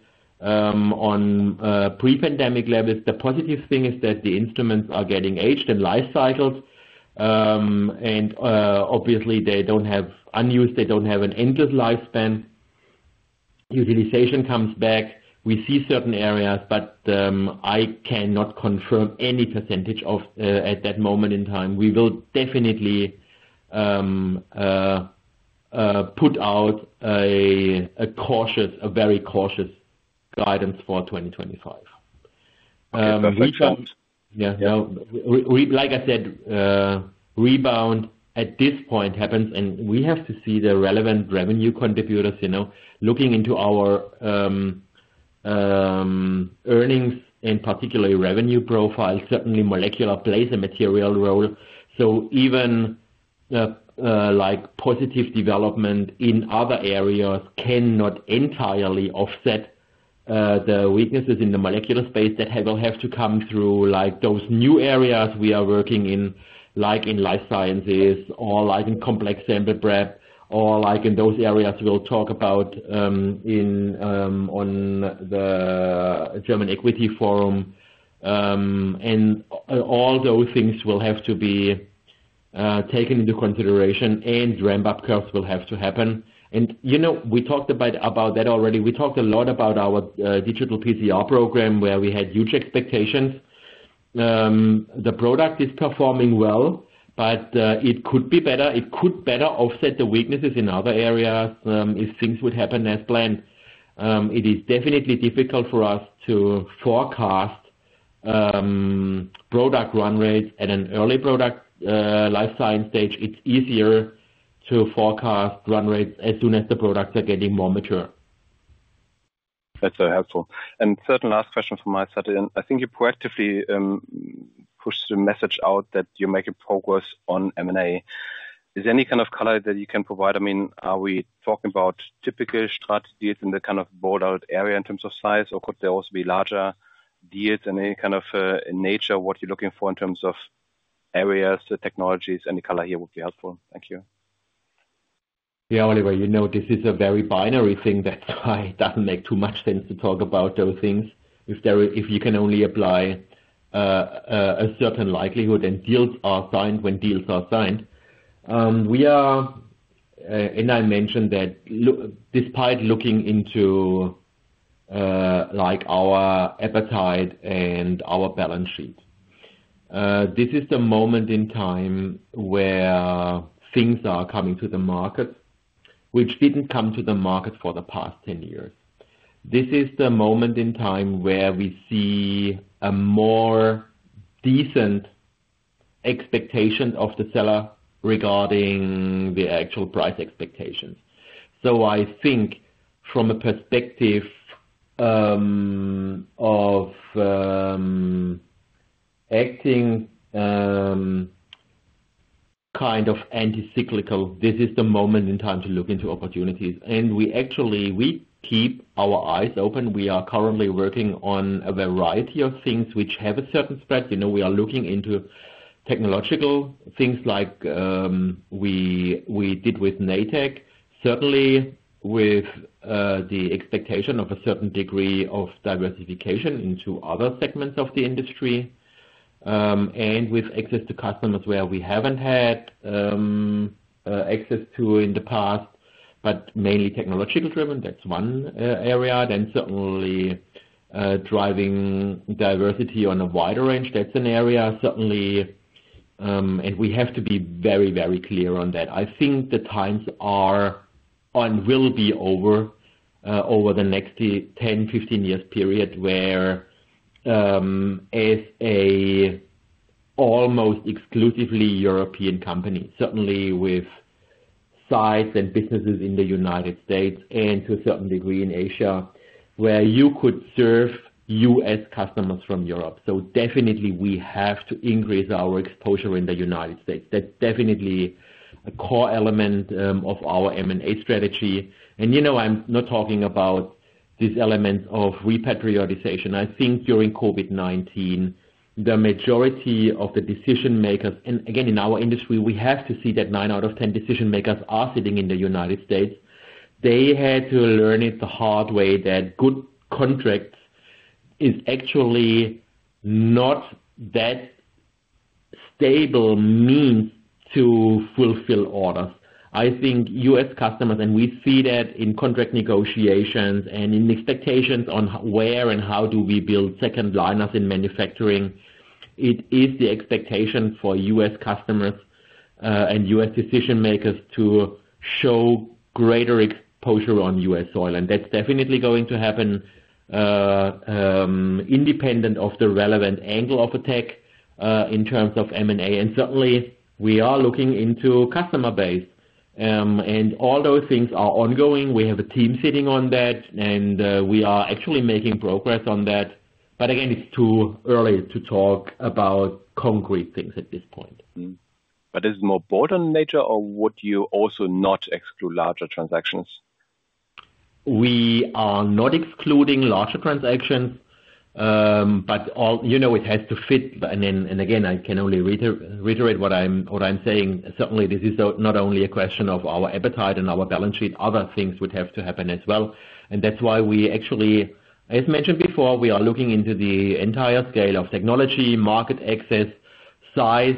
on pre-pandemic levels. The positive thing is that the instruments are getting aged in life cycles, and obviously, they don't have unused, they don't have an endless lifespan. Utilization comes back. We see certain areas, but I cannot confirm any percentage of at that moment in time. We will definitely put out a cautious, a very cautious guidance for 2025. We found- Yeah. Yeah. We, like I said, rebound at this point happens, and we have to see the relevant revenue contributors, you know, looking into our earnings and particularly revenue profile, certainly molecular plays a material role. So even, like, positive development in other areas cannot entirely offset the weaknesses in the molecular space that will have to come through, like, those new areas we are working in, like in life sciences or like in complex sample prep, or like in those areas we'll talk about on the German Equity Forum. And all those things will have to be taken into consideration, and ramp-up curves will have to happen. And, you know, we talked about that already. We talked a lot about our Digital PCR program, where we had huge expectations. The product is performing well, but it could be better. It could better offset the weaknesses in other areas, if things would happen as planned. It is definitely difficult for us to forecast product run rates at an early product life science stage. It's easier to forecast run rates as soon as the products are getting more mature. That's very helpful. And third and last question from my side, and I think you proactively pushed the message out that you're making progress on M&A. Is there any kind of color that you can provide? I mean, are we talking about typical strategies in the kind of bolt-on area in terms of size, or could there also be larger deals? And any kind of nature, what you're looking for in terms of areas, the technologies, any color here would be helpful. Thank you. Yeah, Oliver, you know, this is a very binary thing that it doesn't make too much sense to talk about those things. If you can only apply a certain likelihood, then deals are signed when deals are signed. And I mentioned that despite looking into, like, our appetite and our balance sheet, this is the moment in time where things are coming to the market, which didn't come to the market for the past 10 years. This is the moment in time where we see a more decent expectation of the seller regarding the actual price expectations. So I think from a perspective of acting kind of anti-cyclical, this is the moment in time to look into opportunities. And we actually, we keep our eyes open. We are currently working on a variety of things which have a certain spread. You know, we are looking into technological things like we did with Natech, certainly with the expectation of a certain degree of diversification into other segments of the industry, and with access to customers where we haven't had access to in the past, but mainly technological driven. That's one area. Then certainly driving diversity on a wider range, that's an area, certainly, and we have to be very, very clear on that. I think the times are and will be over the next 10, 15 years period, where as a almost exclusively European company, certainly with sites and businesses in the United States and to a certain degree in Asia, where you could serve U.S. customers from Europe. Definitely we have to increase our exposure in the United States. That's definitely a core element of our M&A strategy. You know, I'm not talking about this element of repatriation. I think during COVID-19, the majority of the decision makers, and again, in our industry, we have to see that nine out of ten decision makers are sitting in the United States. They had to learn it the hard way, that good contracts is actually not that stable means to fulfill orders. I think U.S. customers, and we see that in contract negotiations and in expectations on where and how do we build second lineups in manufacturing. It is the expectation for U.S. customers and U.S. decision makers to show greater exposure on U.S. soil, and that's definitely going to happen independent of the relevant angle of attack in terms of M&A. And certainly, we are looking into customer base, and all those things are ongoing. We have a team sitting on that, and we are actually making progress on that. But again, it's too early to talk about concrete things at this point. But is it more broader in nature, or would you also not exclude larger transactions? We are not excluding larger transactions, but all, you know, it has to fit, and then, and again, I can only reiterate what I'm saying. Certainly, this is not only a question of our appetite and our balance sheet, other things would have to happen as well, and that's why we actually, as mentioned before, we are looking into the entire scale of technology, market access, size,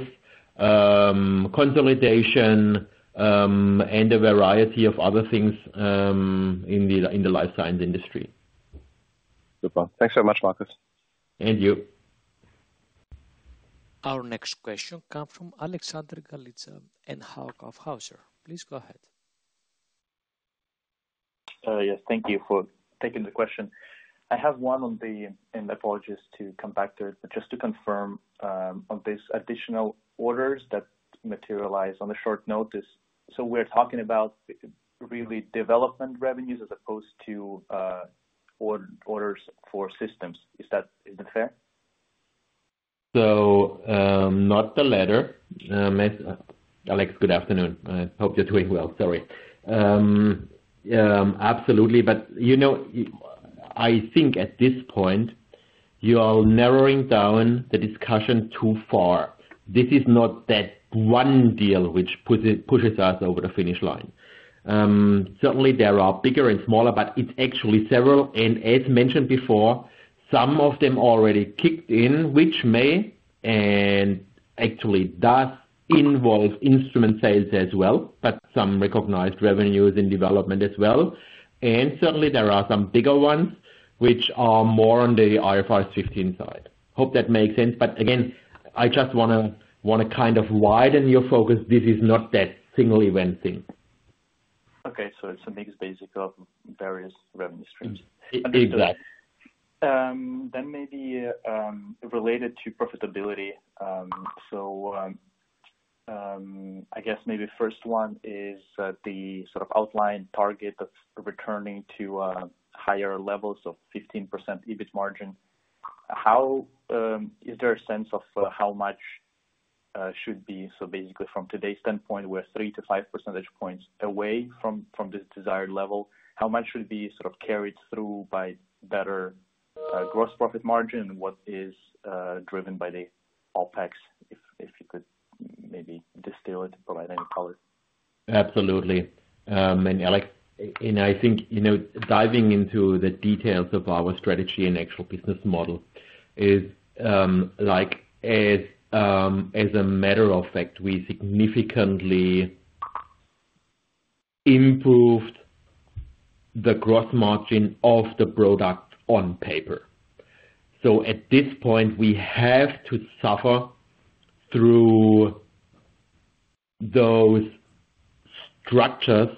consolidation, and a variety of other things, in the life science industry. Super. Thanks so much, Marcus. Thank you. Our next question comes from Alexander Galitsa of Hauck & Aufhäuser. Please go ahead. Yes, thank you for taking the question. I have one on the, and apologies to come back to it, but just to confirm, on these additional orders that materialize on the short notice. So we're talking about really development revenues as opposed to orders for systems. Is that fair? Not the latter. Alex, good afternoon. I hope you're doing well. Sorry. Absolutely. But, you know, I think at this point, you are narrowing down the discussion too far. This is not that one deal which pushes us over the finish line. Certainly there are bigger and smaller, but it's actually several, and as mentioned before, some of them already kicked in, which may, and actually does involve instrument sales as well, but some recognized revenues in development as well. Certainly there are some bigger ones which are more on the IFRS 15 side. Hope that makes sense. But again, I just wanna kind of widen your focus. This is not that single event thing. Okay, so it's a mix, basically, of various revenue streams. Exactly. Then maybe related to profitability. So, I guess maybe first one is the sort of outline target of returning to higher levels of 15% EBIT margin. How is there a sense of how much should be. So basically from today's standpoint, we're three to five percentage points away from this desired level. How much should be sort of carried through by better gross profit margin? What is driven by the OpEx? If you could maybe distill it, provide any color. Absolutely. And Alex, I think, you know, diving into the details of our strategy and actual business model is, like, as a matter of fact, we significantly improved the gross margin of the product on paper. So at this point, we have to suffer through those structures,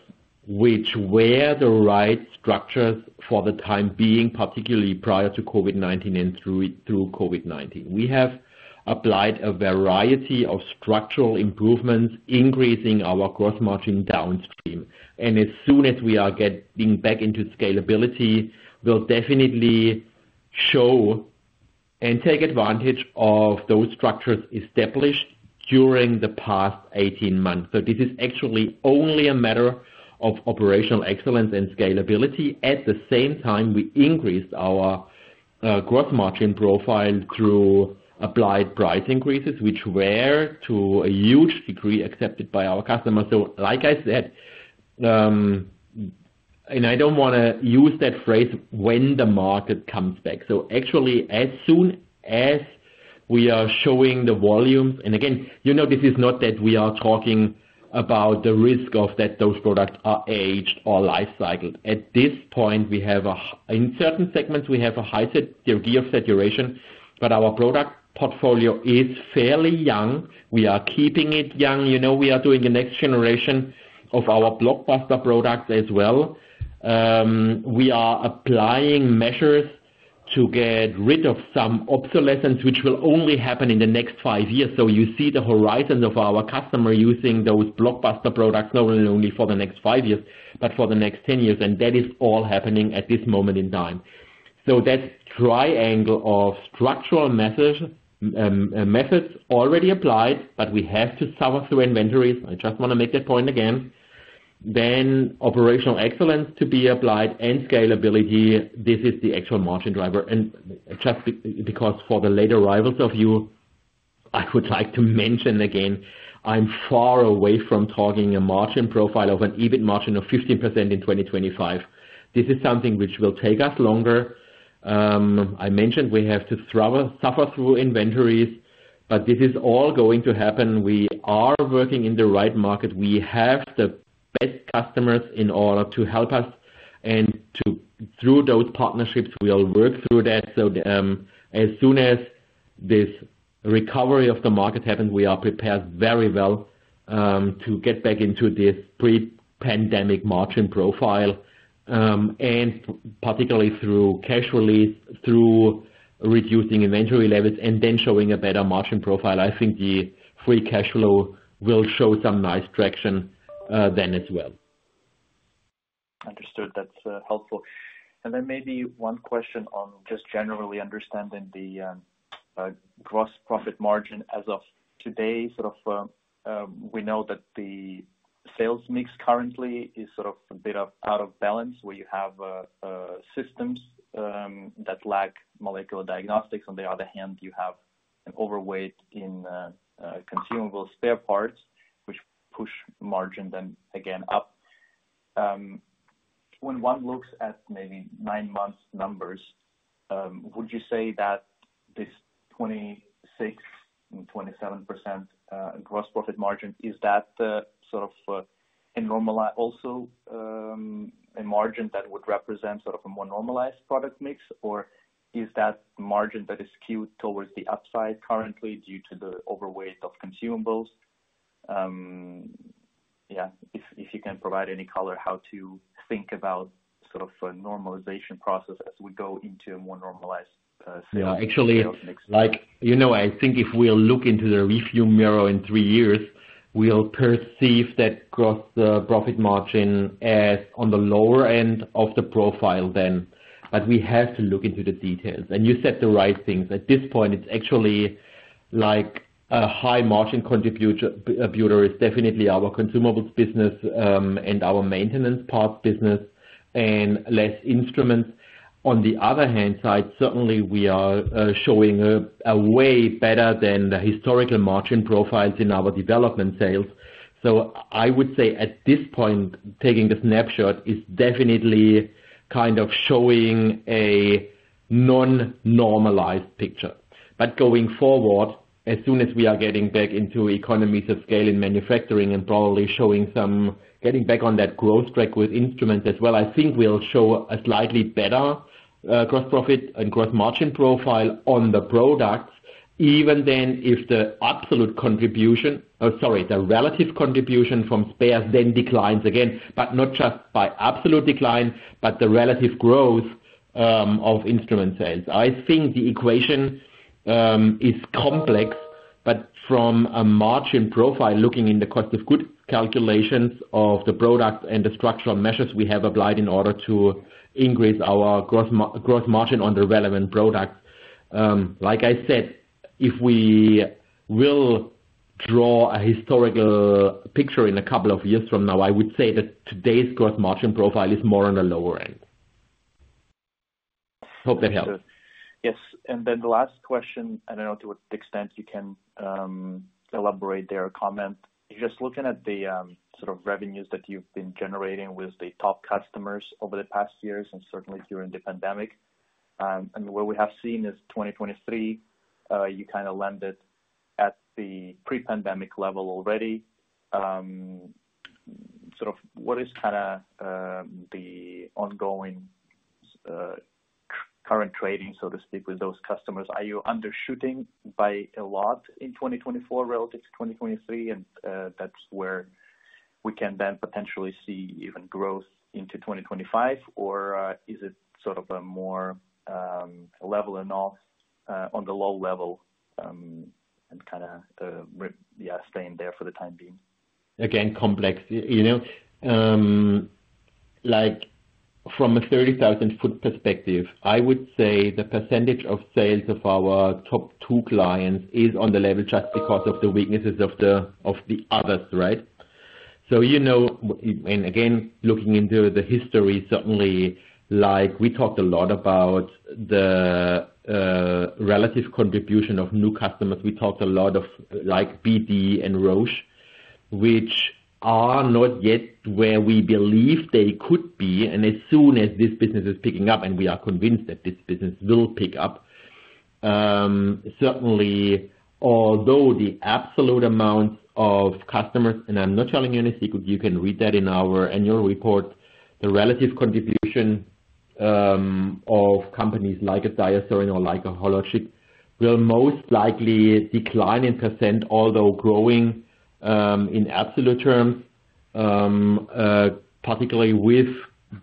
which were the right structures for the time being, particularly prior to COVID-19 and through COVID-19. We have applied a variety of structural improvements, increasing our gross margin downstream, and as soon as we are getting back into scalability, will definitely show and take advantage of those structures established during the past 18 months. So this is actually only a matter of operational excellence and scalability. At the same time, we increased our gross margin profile through applied price increases, which were, to a huge degree, accepted by our customers. So like I said, and I don't wanna use that phrase, when the market comes back. Actually, as soon as we are showing the volumes, and again, you know, this is not that we are talking about the risk of that those products are aged or life cycled. At this point, in certain segments, we have a high degree of saturation, but our product portfolio is fairly young. We are keeping it young. You know, we are doing the next generation of our blockbuster products as well. We are applying measures to get rid of some obsolescence, which will only happen in the next five years. You see the horizon of our customer using those blockbuster products not only for the next five years, but for the next 10 years, and that is all happening at this moment in time. That triangle of structural methods, methods already applied, but we have to suffer through inventories. I just want to make that point again. Then operational excellence to be applied and scalability, this is the actual margin driver. And just because for the late arrivals of you, I would like to mention again, I'm far away from targeting a margin profile of an EBIT margin of 15% in 2025. This is something which will take us longer. I mentioned we have to suffer through inventories, but this is all going to happen. We are working in the right market. We have the best customers in order to help us, and to, through those partnerships, we will work through that. As soon as this recovery of the market happens, we are prepared very well to get back into this pre-pandemic margin profile, and particularly through capacity, through reducing inventory levels and then showing a better margin profile. I think the free cash flow will show some nice traction then as well. Understood, that's helpful, and then maybe one question on just generally understanding the gross profit margin as of today. Sort of, we know that the sales mix currently is sort of a bit out of balance, where you have systems that lack molecular diagnostics. On the other hand, you have an overweight in consumable spare parts, which push margin then again up. When one looks at maybe nine months numbers, would you say that this 26% and 27% gross profit margin is that sort of a normalized also a margin that would represent sort of a more normalized product mix? Or is that margin that is skewed towards the upside currently due to the overweight of consumables? Yeah, if you can provide any color, how to think about sort of a normalization process as we go into a more normalized sales. Yeah, actually, like, you know, I think if we'll look into the rearview mirror in three years, we'll perceive that gross profit margin as on the lower end of the profile then. But we have to look into the details, and you said the right things. At this point, it's actually like a high margin contributor is definitely our consumables business, and our maintenance parts business, and less instruments. On the other hand side, certainly we are showing a way better than the historical margin profiles in our development sales. So I would say at this point, taking the snapshot is definitely kind of showing a non-normalized picture. But going forward, as soon as we are getting back into economies of scale in manufacturing and probably showing some getting back on that growth track with instruments as well, I think we'll show a slightly better gross profit and gross margin profile on the products. Even then, if the absolute contribution sorry the relative contribution from spares then declines again, but not just by absolute decline, but the relative growth of instrument sales. I think the equation is complex, but from a margin profile, looking in the cost of goods calculations of the product and the structural measures we have applied in order to increase our gross margin on the relevant products. Like I said, if we will draw a historical picture in a couple of years from now, I would say that today's gross margin profile is more on the lower end. Hope that helps. Yes, and then the last question, I don't know to what extent you can elaborate there or comment. Just looking at the sort of revenues that you've been generating with the top customers over the past years and certainly during the pandemic, and what we have seen is 2023, you kind of landed at the pre-pandemic level already. Sort of what is kinda the ongoing current trading, so to speak, with those customers? Are you undershooting by a lot in 2024 relative to 2023, and that's where we can then potentially see even growth into 2025? Or is it sort of a more leveling off on the low level, and kinda yeah, staying there for the time being? Again, complex. You know, like from a 30,000-foot perspective, I would say the percentage of sales of our top two clients is on the level just because of the weaknesses of the others, right? So, you know, and again, looking into the history, certainly like we talked a lot about the relative contribution of new customers. We talked a lot of like BD and Roche, which are not yet where we believe they could be. And as soon as this business is picking up, and we are convinced that this business will pick up, certainly, although the absolute amount of customers, and I'm not telling you any secret, you can read that in our annual report. The relative contribution of companies like a DiaSorin or like a Hologic will most likely decline in percent, although growing in absolute terms, particularly with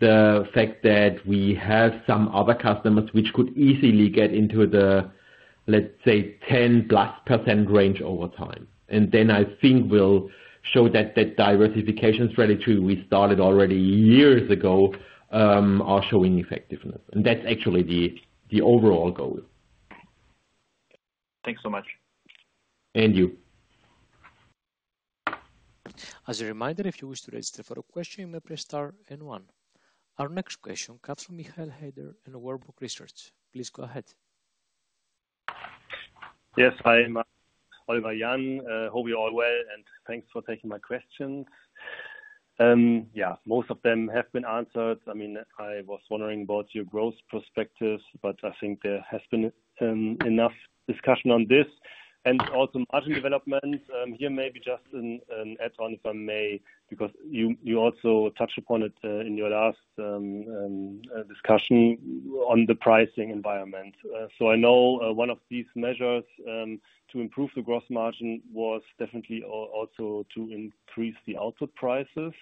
the fact that we have some other customers which could easily get into the, let's say, 10-plus% range over time. And then I think we'll show that diversification strategy we started already years ago are showing effectiveness, and that's actually the overall goal. Thanks so much. And you. As a reminder, if you wish to register for a question, you may press star and one. Our next question comes from Michael Heider in Warburg Research. Please go ahead. Yes, hi, Oliver, Jan, hope you're all well, and thanks for taking my question. Yeah, most of them have been answered. I mean, I was wondering about your growth perspectives, but I think there has been enough discussion on this and also margin development. Here, maybe just an add-on, if I may, because you also touched upon it in your last discussion on the pricing environment. So I know one of these measures to improve the gross margin was definitely also to increase the output prices.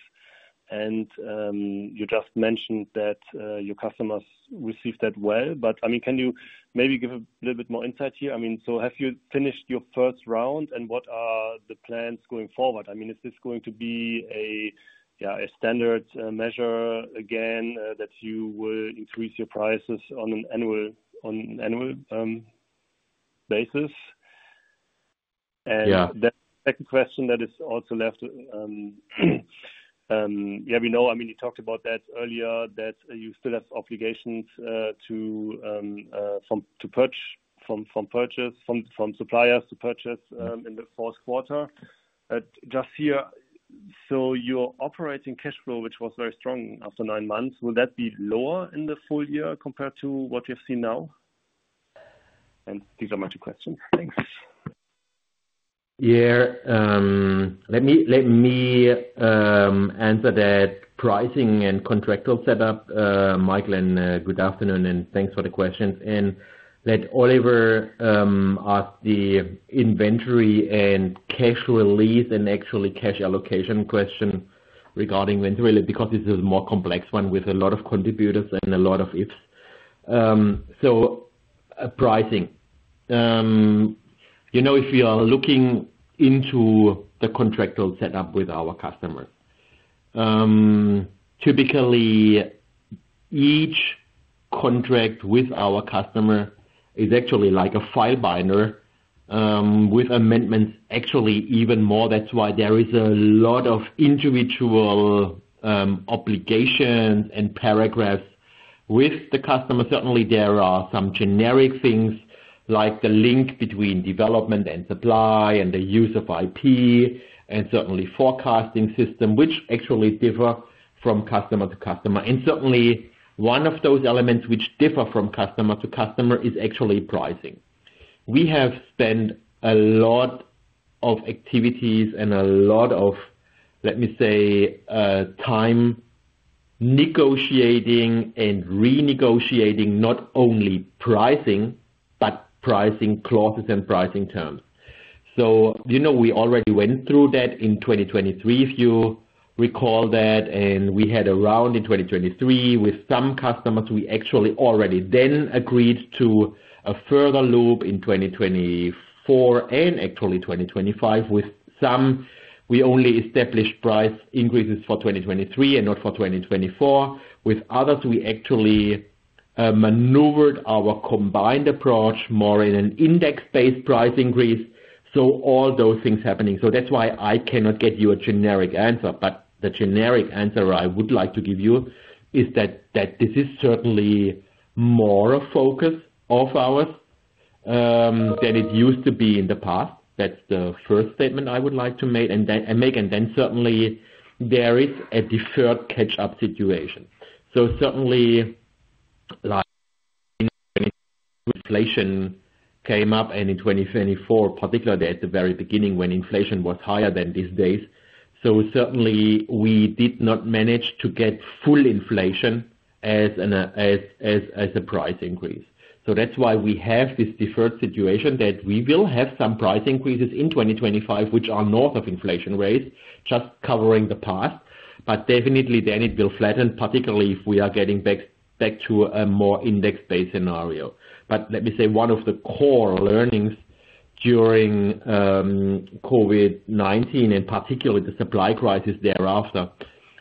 And you just mentioned that your customers received that well. But, I mean, can you maybe give a little bit more insight here? I mean, so have you finished your first round, and what are the plans going forward? I mean, is this going to be a standard measure again that you will increase your prices on an annual basis? Yeah. And the second question that is also left, yeah, we know, I mean, you talked about that earlier, that you still have obligations to purchase from suppliers in the fourth quarter. Just here, so your operating cash flow, which was very strong after nine months, will that be lower in the full year compared to what you've seen now? And these are my two questions. Thanks. Yeah. Let me answer that pricing and contractual setup, Michael, and good afternoon, and thanks for the questions. And let Oliver ask the inventory and cash relief and actually cash allocation question regarding inventory, because this is a more complex one with a lot of contributors and a lot of it. So, pricing. You know, if you are looking into the contractual setup with our customers, typically each contract with our customer is actually like a file binder with amendments, actually even more. That's why there is a lot of individual obligations and paragraphs with the customer. Certainly, there are some generic things, like the link between development and supply and the use of IP, and certainly forecasting system, which actually differ from customer to customer. Certainly, one of those elements which differ from customer to customer is actually pricing. We have spent a lot of activities and a lot of, let me say, time negotiating and renegotiating not only pricing, but pricing clauses and pricing terms. You know, we already went through that in 2023, if you recall that, and we had a round in 2023 with some customers. We actually already then agreed to a further loop in 2024 and actually 2025. With some, we only established price increases for 2023 and not for 2024. With others, we actually maneuvered our combined approach more in an index-based price increase. All those things happening. That's why I cannot get you a generic answer. But the generic answer I would like to give you is that this is certainly more a focus of ours than it used to be in the past. That's the first statement I would like to make, and then certainly there is a deferred catch-up situation. So certainly, like inflation came up, and in 2024, particularly at the very beginning, when inflation was higher than these days, so certainly we did not manage to get full inflation as a price increase. So that's why we have this deferred situation, that we will have some price increases in 2025, which are north of inflation rates, just covering the past. But definitely then it will flatten, particularly if we are getting back to a more index-based scenario. But let me say, one of the core learnings during COVID-19, and particularly the supply crisis thereafter,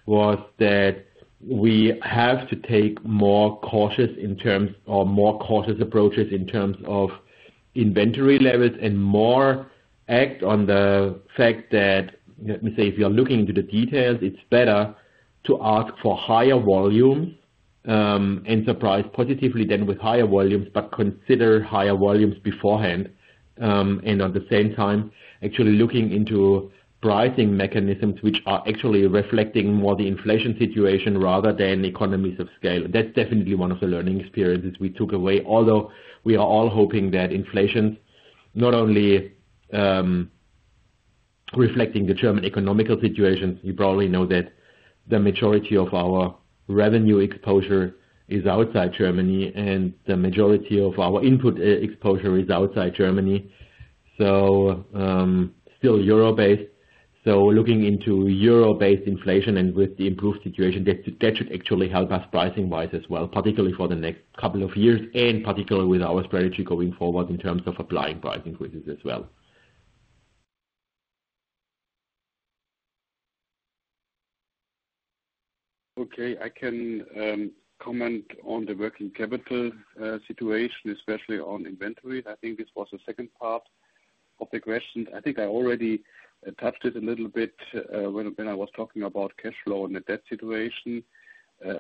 was that we have to take more cautious approaches in terms of inventory levels and act more on the fact that, let me say, if you're looking into the details, it's better to ask for higher volumes, and surprise positively than with higher volumes, but consider higher volumes beforehand. And at the same time, actually looking into pricing mechanisms, which are actually reflecting more the inflation situation rather than economies of scale. That's definitely one of the learning experiences we took away, although we are all hoping that inflation, not only reflecting the German economic situation, you probably know that the majority of our revenue exposure is outside Germany, and the majority of our input exposure is outside Germany. So, still euro-based. So looking into euro-based inflation and with the improved situation, that, that should actually help us pricing-wise as well, particularly for the next couple of years, and particularly with our strategy going forward in terms of applying price increases as well. Okay, I can comment on the working capital situation, especially on inventory. I think this was the second part of the question. I think I already touched it a little bit when I was talking about cash flow and the debt situation.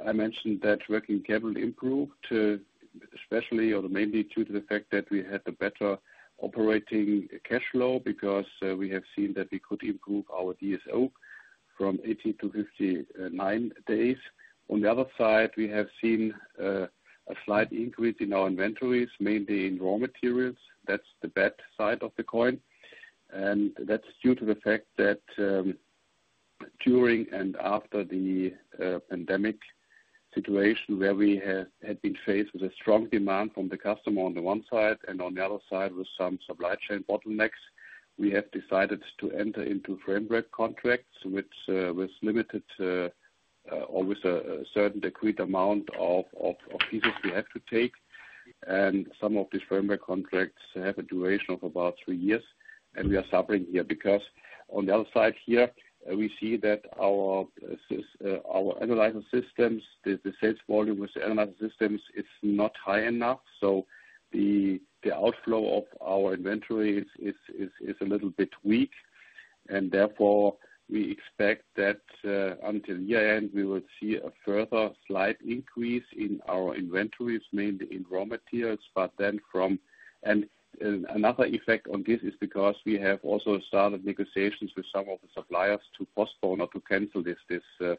I mentioned that working capital improved, especially or mainly due to the fact that we had a better operating cash flow, because we have seen that we could improve our DSO from 18 to 59 days. On the other side, we have seen a slight increase in our inventories, mainly in raw materials. That's the bad side of the coin, and that's due to the fact that during and after the pandemic situation where we have had been faced with a strong demand from the customer on the one side, and on the other side, with some supply chain bottlenecks. We have decided to enter into framework contracts, which was limited to always a certain agreed amount of pieces we have to take. And some of these framework contracts have a duration of about three years, and we are suffering here. Because on the other side here, we see that our analyzer systems, the sales volume with the analyzer systems is not high enough, so the outflow of our inventory is a little bit weak. And therefore, we expect that until year-end, we will see a further slight increase in our inventories, mainly in raw materials. But then, and another effect on this is because we have also started negotiations with some of the suppliers to postpone or to cancel this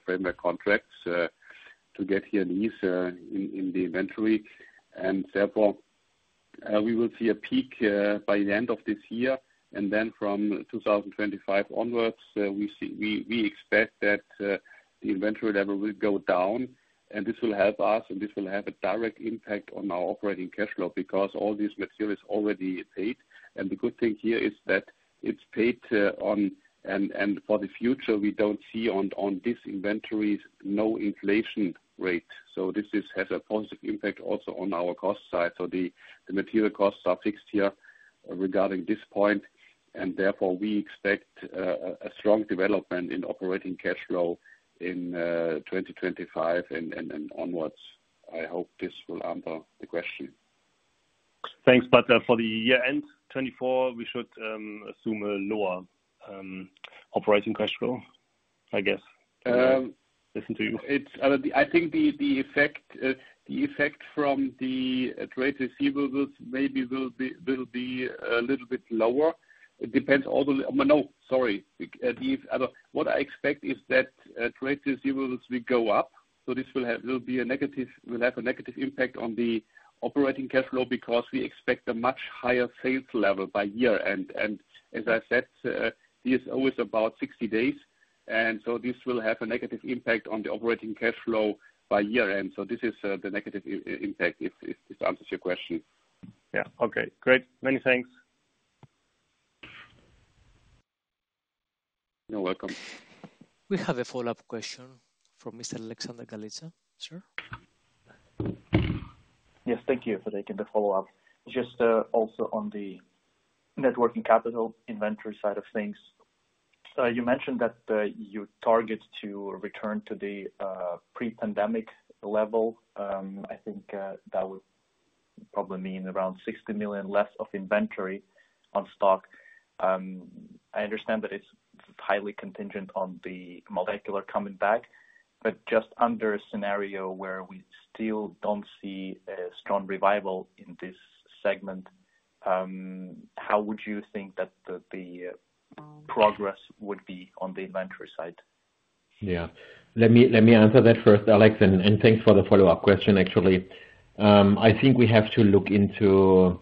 framework contracts to get here an ease in the inventory. And therefore, we will see a peak by the end of this year, and then from 2025 onwards, we expect that the inventory level will go down, and this will help us, and this will have a direct impact on our operating cash flow because all these materials already paid. And the good thing here is that it's paid, and for the future, we don't see on this inventories no inflation rate. So this has a positive impact also on our cost side. So the material costs are fixed here regarding this point, and therefore we expect a strong development in operating cash flow in twenty twenty-five and onwards. I hope this will answer the question. Thanks. But, for the year end, 2024, we should assume a lower operating cash flow, I guess, listen to you. It's, I think the effect from the trade receivables maybe will be a little bit lower. It depends on the... No, sorry. What I expect is that trade receivables will go up, so this will have a negative impact on the operating cash flow because we expect a much higher sales level by year-end. And as I said, this is always about sixty days, and so this will have a negative impact on the operating cash flow by year-end. So this is the negative impact, if this answers your question. Yeah. Okay, great. Many thanks. You're welcome. We have a follow-up question from Mr. Alexander Galitsa, sir. Yes, thank you for taking the follow-up. Just also on the working capital inventory side of things. You mentioned that you target to return to the pre-pandemic level. I think that would probably mean around 60 million less of inventory on stock. I understand that it's highly contingent on the molecular coming back, but just under a scenario where we still don't see a strong revival in this segment, how would you think that the progress would be on the inventory side? Yeah. Let me answer that first, Alex, and thanks for the follow-up question, actually. I think we have to look into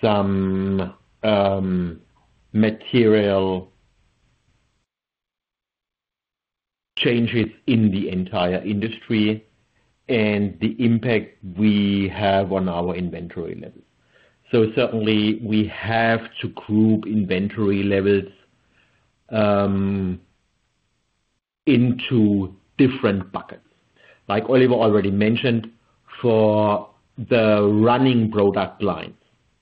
some material changes in the entire industry and the impact we have on our inventory levels. So certainly we have to group inventory levels into different buckets. Like Oliver already mentioned, for the running product lines,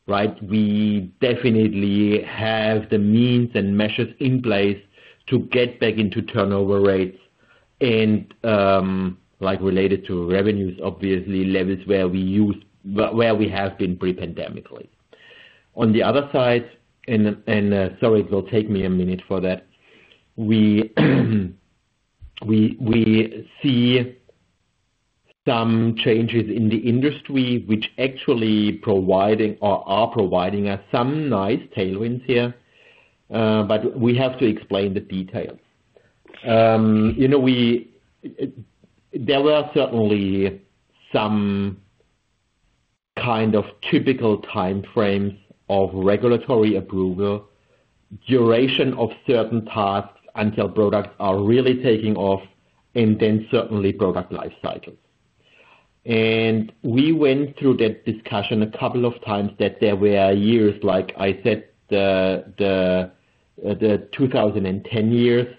right? We definitely have the means and measures in place to get back into turnover rates and, like, related to revenues, obviously, levels where we have been pre-pandemically. On the other side, and sorry, it will take me a minute for that. We see some changes in the industry which actually providing or are providing us some nice tailwinds here, but we have to explain the details. You know, there were certainly some kind of typical time frames of regulatory approval, duration of certain parts until products are really taking off, and then certainly product life cycles. We went through that discussion a couple of times, that there were years, like I said, the 2010s,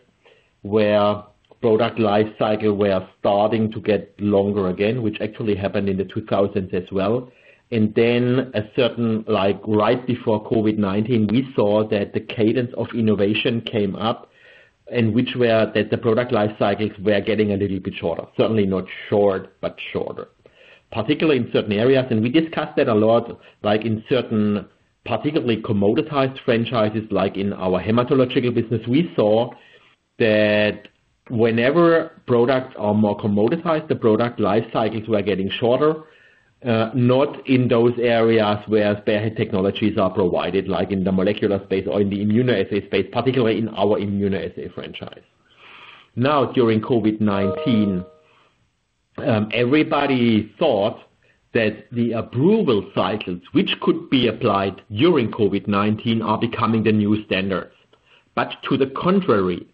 where product life cycle were starting to get longer again, which actually happened in the 2000s as well. Then a certain, like right before COVID-19, we saw that the cadence of innovation came up, that the product life cycles were getting a little bit shorter. Certainly not short, but shorter. Particularly in certain areas, and we discussed that a lot, like in certain, particularly commoditized franchises, like in our hematological business, we saw that whenever products are more commoditized, the product life cycles were getting shorter, not in those areas where their technologies are provided, like in the molecular space or in the immunoassay space, particularly in our immunoassay franchise. Now, during COVID-19, everybody thought that the approval cycles, which could be applied during COVID-19, are becoming the new standards. But to the contrary,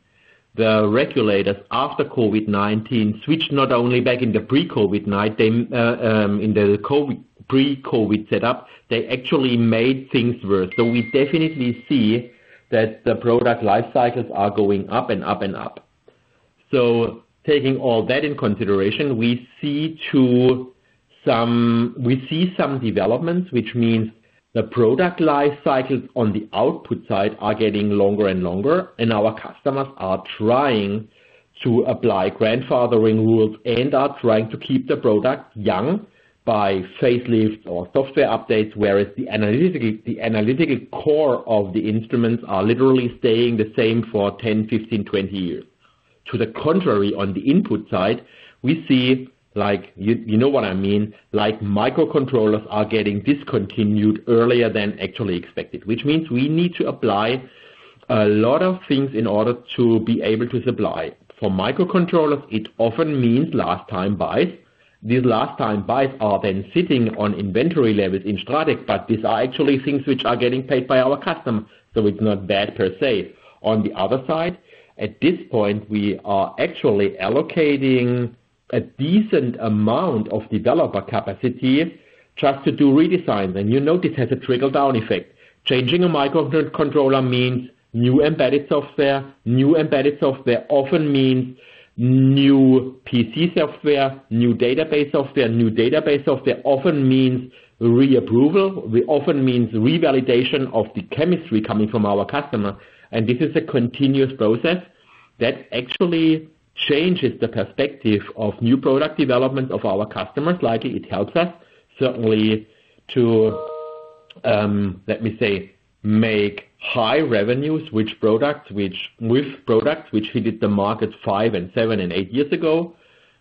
the regulators, after COVID-19, switched not only back in the pre-COVID-19, in the COVID, pre-COVID setup, they actually made things worse. So we definitely see that the product life cycles are going up and up and up. So taking all that in consideration, we see some developments, which means the product life cycles on the output side are getting longer and longer, and our customers are trying to apply grandfathering rules and are trying to keep the product young by facelift or software updates, whereas the analytical core of the instruments are literally staying the same for 10, 15, 20 years. To the contrary, on the input side, we see, like, you know what I mean? Like, microcontrollers are getting discontinued earlier than actually expected, which means we need to apply a lot of things in order to be able to supply. For microcontrollers, it often means last time buys. These last time buys are then sitting on inventory levels in STRATEC, but these are actually things which are getting paid by our customers, so it's not bad per se. On the other side, at this point, we are actually allocating a decent amount of developer capacity just to do redesign. Then you know, this has a trickle-down effect. Changing a microcontroller means new embedded software. New embedded software often means new PC software, new database software. New database software often means reapproval, it often means revalidation of the chemistry coming from our customer. And this is a continuous process that actually changes the perspective of new product development of our customers. Likely, it helps us certainly to, let me say, make high revenues, which products, which, with products, which we did the market five and seven and eight years ago.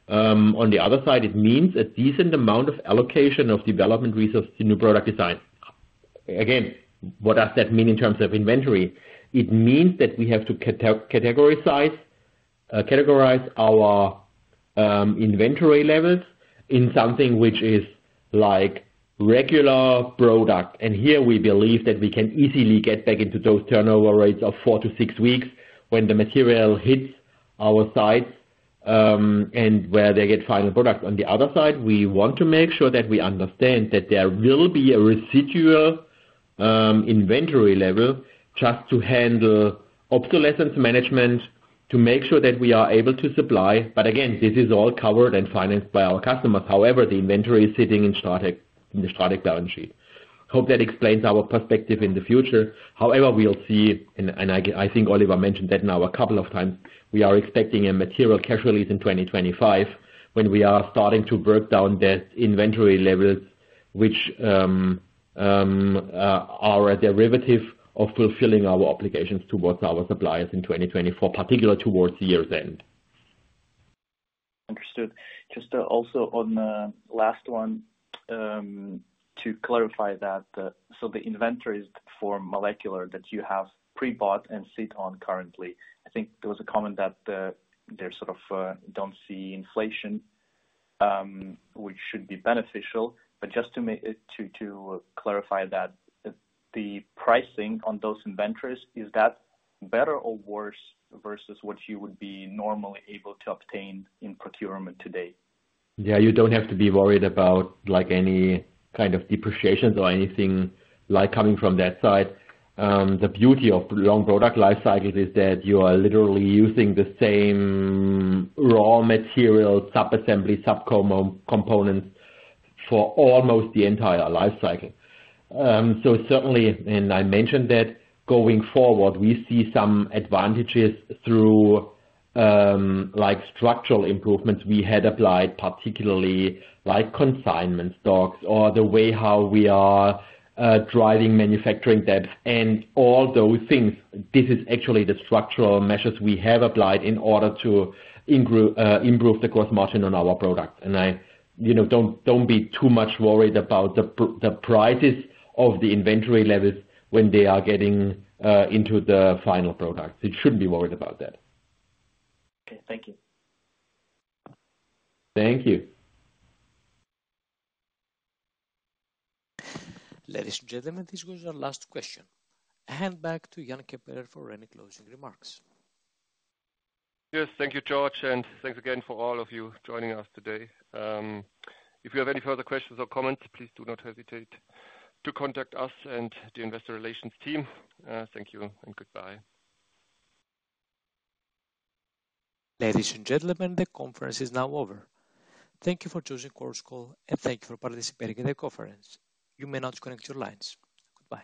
On the other side, it means a decent amount of allocation of development resources to new product design. Again, what does that mean in terms of inventory? It means that we have to categorize our inventory levels in something which is like regular product. And here we believe that we can easily get back into those turnover rates of four to six weeks when the material hits our sites, and where they get final products. On the other side, we want to make sure that we understand that there will be a residual inventory level just to handle obsolescence management, to make sure that we are able to supply. But again, this is all covered and financed by our customers. However, the inventory is sitting in STRATEC, in the STRATEC balance sheet. Hope that explains our perspective in the future. However, we'll see, and I think Oliver mentioned that now a couple of times. We are expecting a material cash release in 2025 when we are starting to break down that inventory levels, which are a derivative of fulfilling our obligations towards our suppliers in 2024, particularly towards year-end. Understood. Just, also on the last one, to clarify that, so the inventories for molecular that you have pre-bought and sit on currently, I think there was a comment that, they sort of, don't see inflation, which should be beneficial. But just to make it to clarify that, the pricing on those inventories, is that better or worse versus what you would be normally able to obtain in procurement today? Yeah, you don't have to be worried about, like, any kind of depreciations or anything, like, coming from that side. The beauty of long product life cycles is that you are literally using the same raw materials, sub-assembly, sub-components for almost the entire life cycle. So certainly, and I mentioned that going forward, we see some advantages through, like, structural improvements we had applied, particularly, like, consignment stocks or the way how we are driving manufacturing depth and all those things. This is actually the structural measures we have applied in order to improve the cost margin on our product. And I, you know, don't, don't be too much worried about the prices of the inventory levels when they are getting into the final product. You shouldn't be worried about that. Okay. Thank you. Thank you. Ladies and gentlemen, this was our last question. Hand back to Jan Keppeler for any closing remarks. Yes, thank you, George, and thanks again for all of you joining us today. If you have any further questions or comments, please do not hesitate to contact us and the investor relations team. Thank you and goodbye. Ladies and gentlemen, the conference is now over. Thank you for choosing Chorus Call, and thank you for participating in the conference. You may now disconnect your lines. Goodbye.